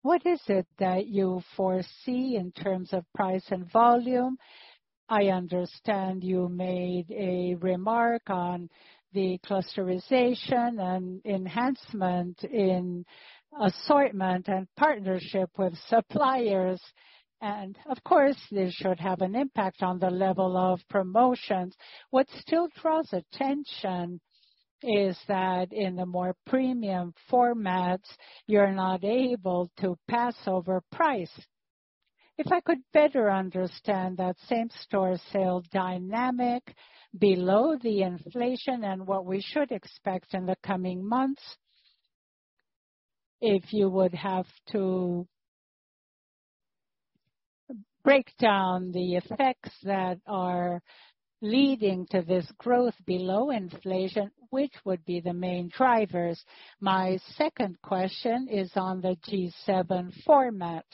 What is it that you foresee in terms of price and volume? I understand you made a remark on the clusterization and enhancement in assortment and partnership with suppliers. Of course, this should have an impact on the level of promotions. What still draws attention is that in the more premium formats, you're not able to pass over price. If I could better understand that same-store sale dynamic below the inflation and what we should expect in the coming months? If you would have to break down the effects that are leading to this growth below inflation, which would be the main drivers? My second question is on the G7 format.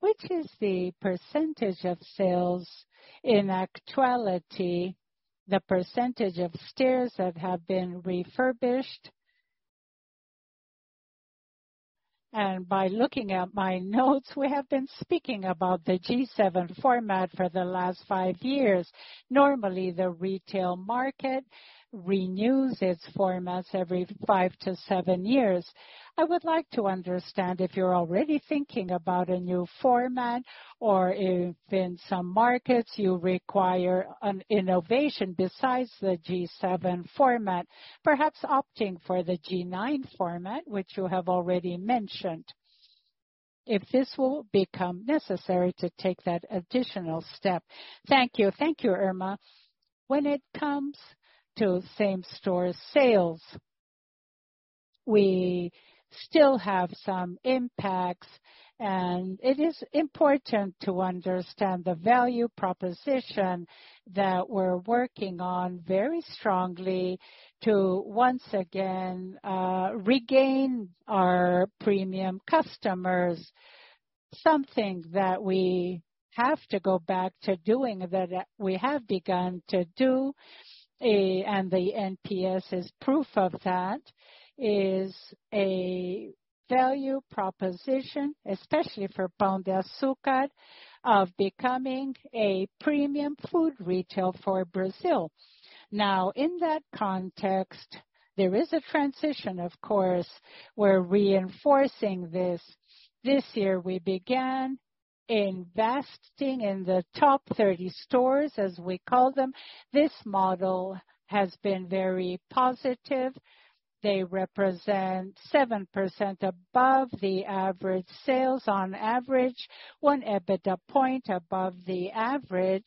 Which is the percentage of sales in actuality, the percentage of stores that have been refurbished? By looking at my notes, we have been speaking about the G7 format for the last five years. Normally, the retail market renews its formats every 5-7 years. I would like to understand if you're already thinking about a new format or if in some markets you require an innovation besides the G7 format, perhaps opting for the G9 format, which you have already mentioned. If this will become necessary to take that additional step. Thank you. Thank you, Irma. When it comes to same-store sales, we still have some impacts. It is important to understand the value proposition that we're working on very strongly to once again regain our premium customers. Something that we have to go back to doing that we have begun to do, and the NPS is proof of that, is a value proposition, especially for Pão de Açúcar of becoming a premium food retail for Brazil. In that context, there is a transition, of course. We're reinforcing this. This year we began investing in the top 30 stores, as we call them. This model has been very positive. They represent 7% above the average sales on average, 1 EBITDA point above the average.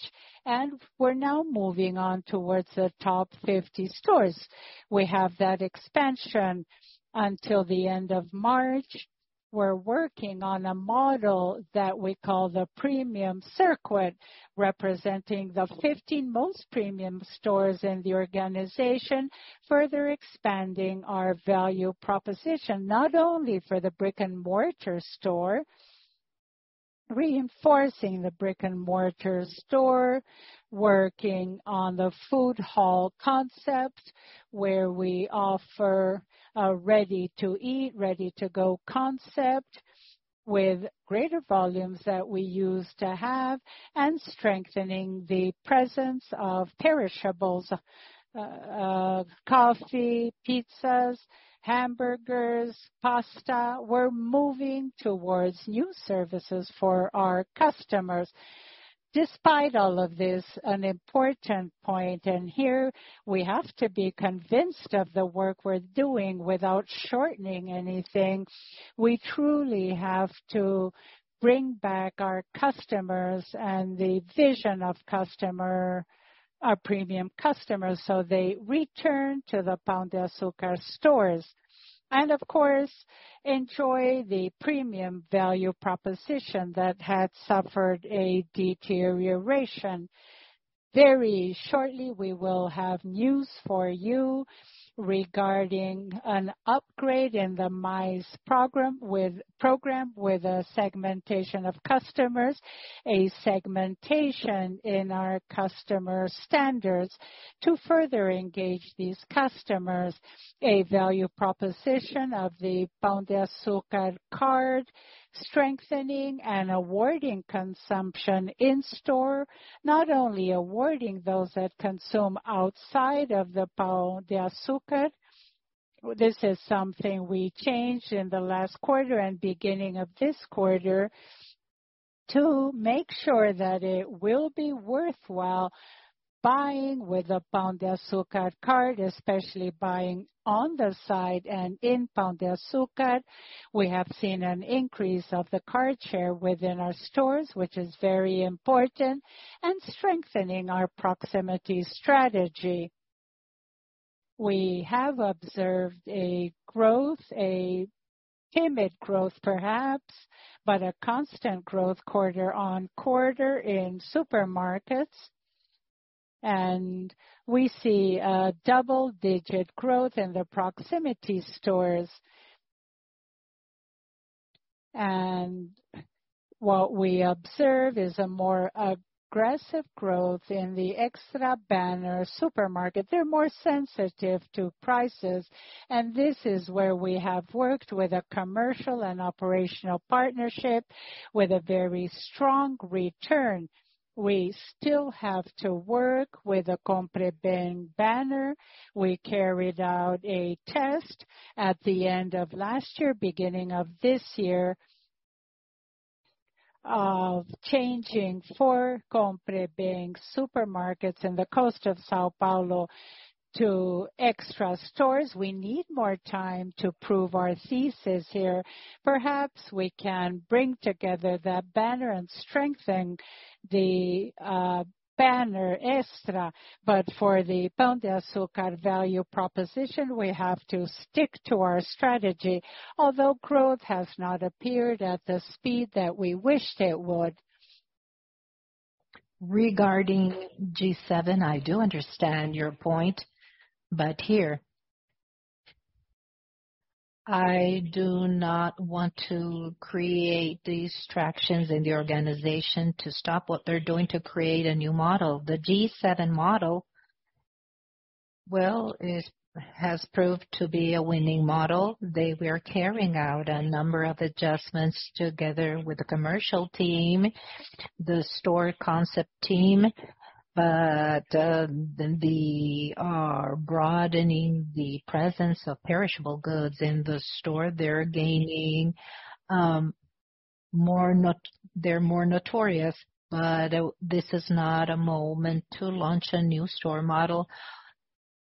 We're now moving on towards the top 50 stores. We have that expansion until the end of March. We're working on a model that we call the premium circuit, representing the 15 most premium stores in the organization, further expanding our value proposition. Reinforcing the brick-and-mortar store, working on the food hall concept, where we offer a ready-to-eat, ready-to-go concept with greater volumes that we used to have, and strengthening the presence of perishables, of coffee, pizzas, hamburgers, pasta. We're moving towards new services for our customers. Despite all of this, an important point, and here we have to be convinced of the work we're doing without shortening anything. We truly have to bring back our customers and the vision of customer, our premium customers, so they return to the Pão de Açúcar stores. Of course, enjoy the premium value proposition that had suffered a deterioration. Very shortly, we will have news for you regarding an upgrade in the Pão de Açúcar Mais program with a segmentation of customers. A segmentation in our customer standards to further engage these customers. A value proposition of the Pão de Açúcar card, strengthening and awarding consumption in store. Not only awarding those that consume outside of the Pão de Açúcar. This is something we changed in the last quarter and beginning of this quarter to make sure that it will be worthwhile buying with a Pão de Açúcar card, especially buying on the site and in Pão de Açúcar. We have seen an increase of the card share within our stores, which is very important and strengthening our proximity strategy. We have observed a growth, a timid growth perhaps, but a constant growth quarter-on-quarter in supermarkets. We see a double-digit growth in the proximity stores. What we observe is a more aggressive growth in the Extra banner supermarket. They're more sensitive to prices. This is where we have worked with a commercial and operational partnership with a very strong return. We still have to work with the Compre Bem banner. We carried out a test at the end of last year, beginning of this year, of changing four Compre Bem supermarkets in the coast of São Paulo to Extra stores. We need more time to prove our thesis here. Perhaps we can bring together that banner and strengthen the banner Extra. For the Pão de Açúcar value proposition, we have to stick to our strategy. Although growth has not appeared at the speed that we wished it would. Regarding G7, I do understand your point. Here I do not want to create distractions in the organization to stop what they're doing to create a new model. The G7 model, well, it has proved to be a winning model. We are carrying out a number of adjustments together with the commercial team, the store concept team. The are broadening the presence of perishable goods in the store. They're gaining more, they're more notorious. This is not a moment to launch a new store model.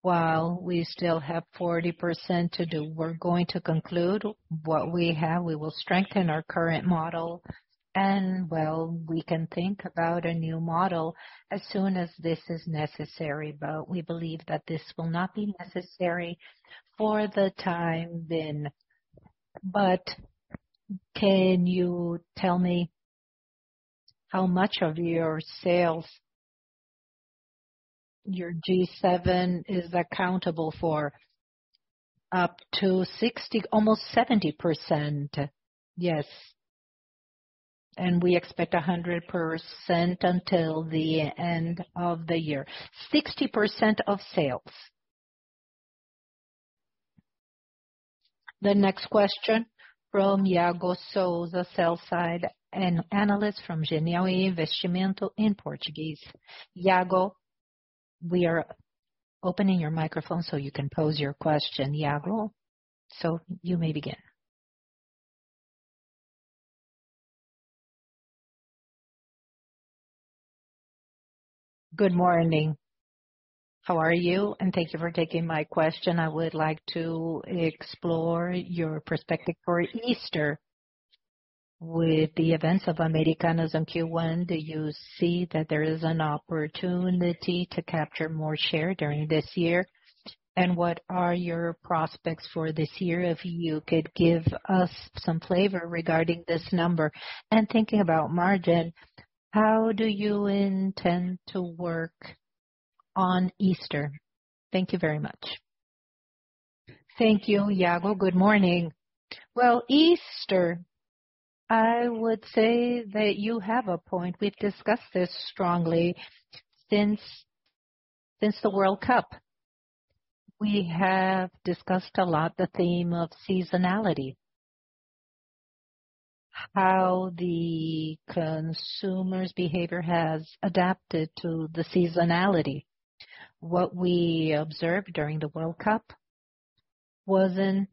While we still have 40% to do, we're going to conclude what we have. We will strengthen our current model and, well, we can think about a new model as soon as this is necessary. We believe that this will not be necessary for the time then. Can you tell me how much of your sales- Your G7 is accountable for up to 60%, almost 70%. Yes. We expect 100% until the end of the year. 60% of sales. The next question from Iago Souza, sell-side analyst from Genial Investimentos in Portuguese. Iago, we are opening your microphone so you can pose your question. Iago, you may begin. Good morning. How are you? Thank you for taking my question. I would like to explore your perspective for Easter. With the events of Americanas in Q1, do you see that there is an opportunity to capture more share during this year? What are your prospects for this year? If you could give us some flavor regarding this number. Thinking about margin, how do you intend to work on Easter? Thank you very much. Thank you, Iago. Good morning. Well, Easter, I would say that you have a point. We've discussed this strongly since the World Cup. We have discussed a lot the theme of seasonality. How the consumer's behavior has adapted to the seasonality. What we observed during the World Cup wasn't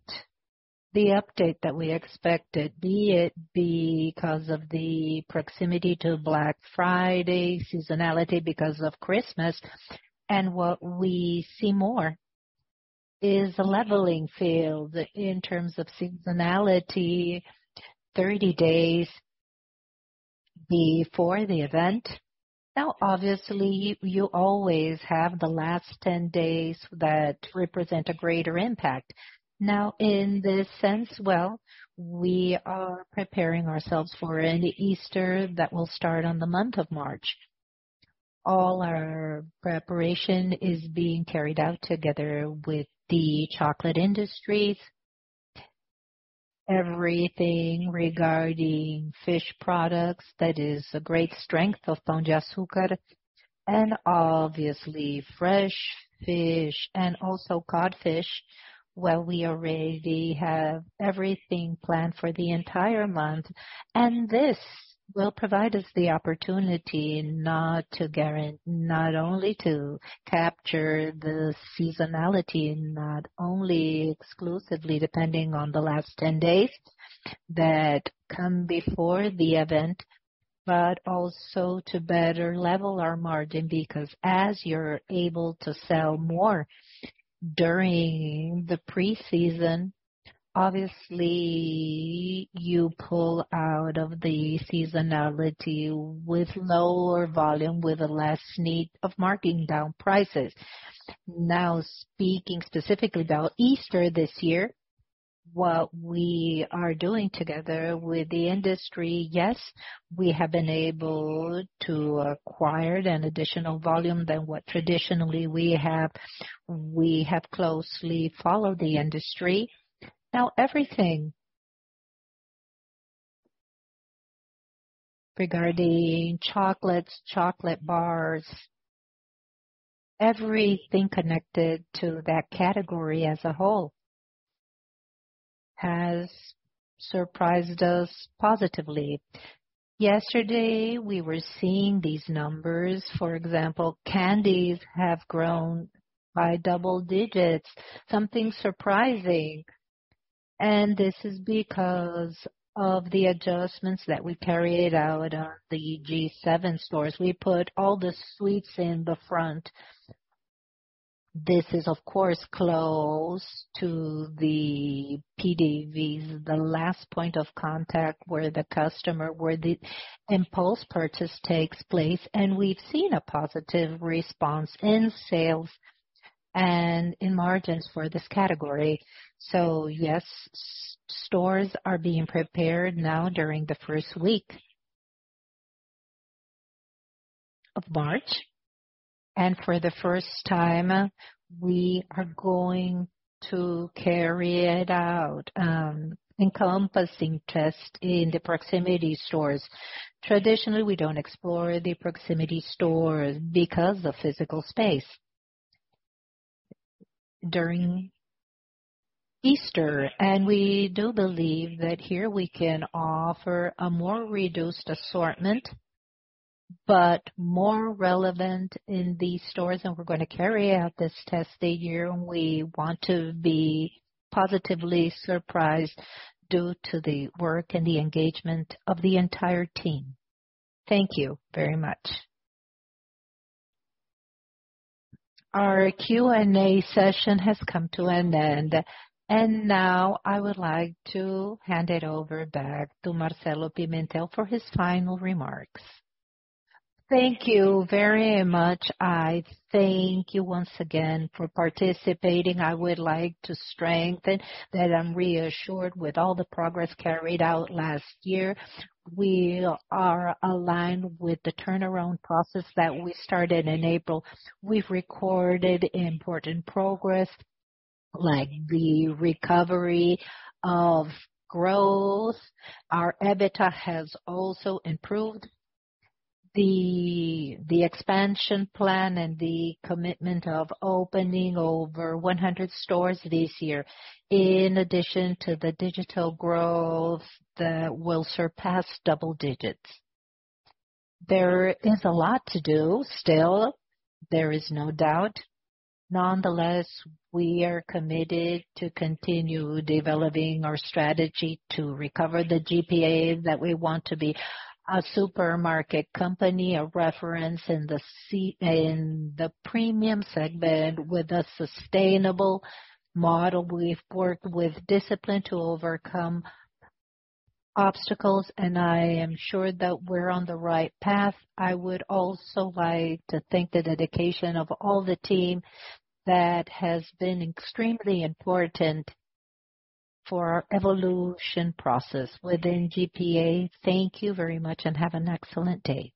the update that we expected, be it because of the proximity to Black Friday seasonality because of Christmas. What we see more is a leveling field in terms of seasonality 30 days before the event. Now, obviously, you always have the last 10 days that represent a greater impact. Now, in this sense, well, we are preparing ourselves for an Easter that will start on the month of March. All our preparation is being carried out together with the chocolate industries. Everything regarding fish products, that is a great strength of Pão de Açúcar, and obviously fresh fish and also codfish. We already have everything planned for the entire month, and this will provide us the opportunity not only to capture the seasonality, exclusively depending on the last 10 days that come before the event, but also to better level our margin. Because as you're able to sell more during the preseason, obviously you pull out of the seasonality with lower volume, with a less need of marking down prices. Speaking specifically about Easter this year, what we are doing together with the industry, yes, we have been able to acquire an additional volume than what traditionally we have. We have closely followed the industry. Everything regarding chocolates, chocolate bars, everything connected to that category as a whole has surprised us positively. Yesterday, we were seeing these numbers. For example, candies have grown by double digits, something surprising. This is because of the adjustments that we carried out on the G7 stores. We put all the sweets in the front. This is, of course, close to the PDVs, the last point of contact where the customer where the impulse purchase takes place. We've seen a positive response in sales and in margins for this category. Yes, stores are being prepared now during the first week of March. For the first time, we are going to carry it out, encompassing test in the proximity stores. Traditionally, we don't explore the proximity stores because of physical space during Easter. We do believe that here we can offer a more reduced assortment, but more relevant in these stores, and we're gonna carry out this test this year. We want to be positively surprised due to the work and the engagement of the entire team. Thank you very much. Our Q&A session has come to an end. Now I would like to hand it over back to Marcelo Pimentel for his final remarks. Thank you very much. I thank you once again for participating. I would like to strengthen that I'm reassured with all the progress carried out last year. We are aligned with the turnaround process that we started in April. We've recorded important progress like the recovery of growth. Our EBITDA has also improved. The expansion plan and the commitment of opening over 100 stores this year, in addition to the digital growth that will surpass double digits. There is a lot to do still, there is no doubt. We are committed to continue developing our strategy to recover the GPA that we want to be a supermarket company, a reference in the premium segment with a sustainable model. We've worked with discipline to overcome obstacles. I am sure that we're on the right path. I would also like to thank the dedication of all the team that has been extremely important for our evolution process within GPA. Thank you very much. Have an excellent day.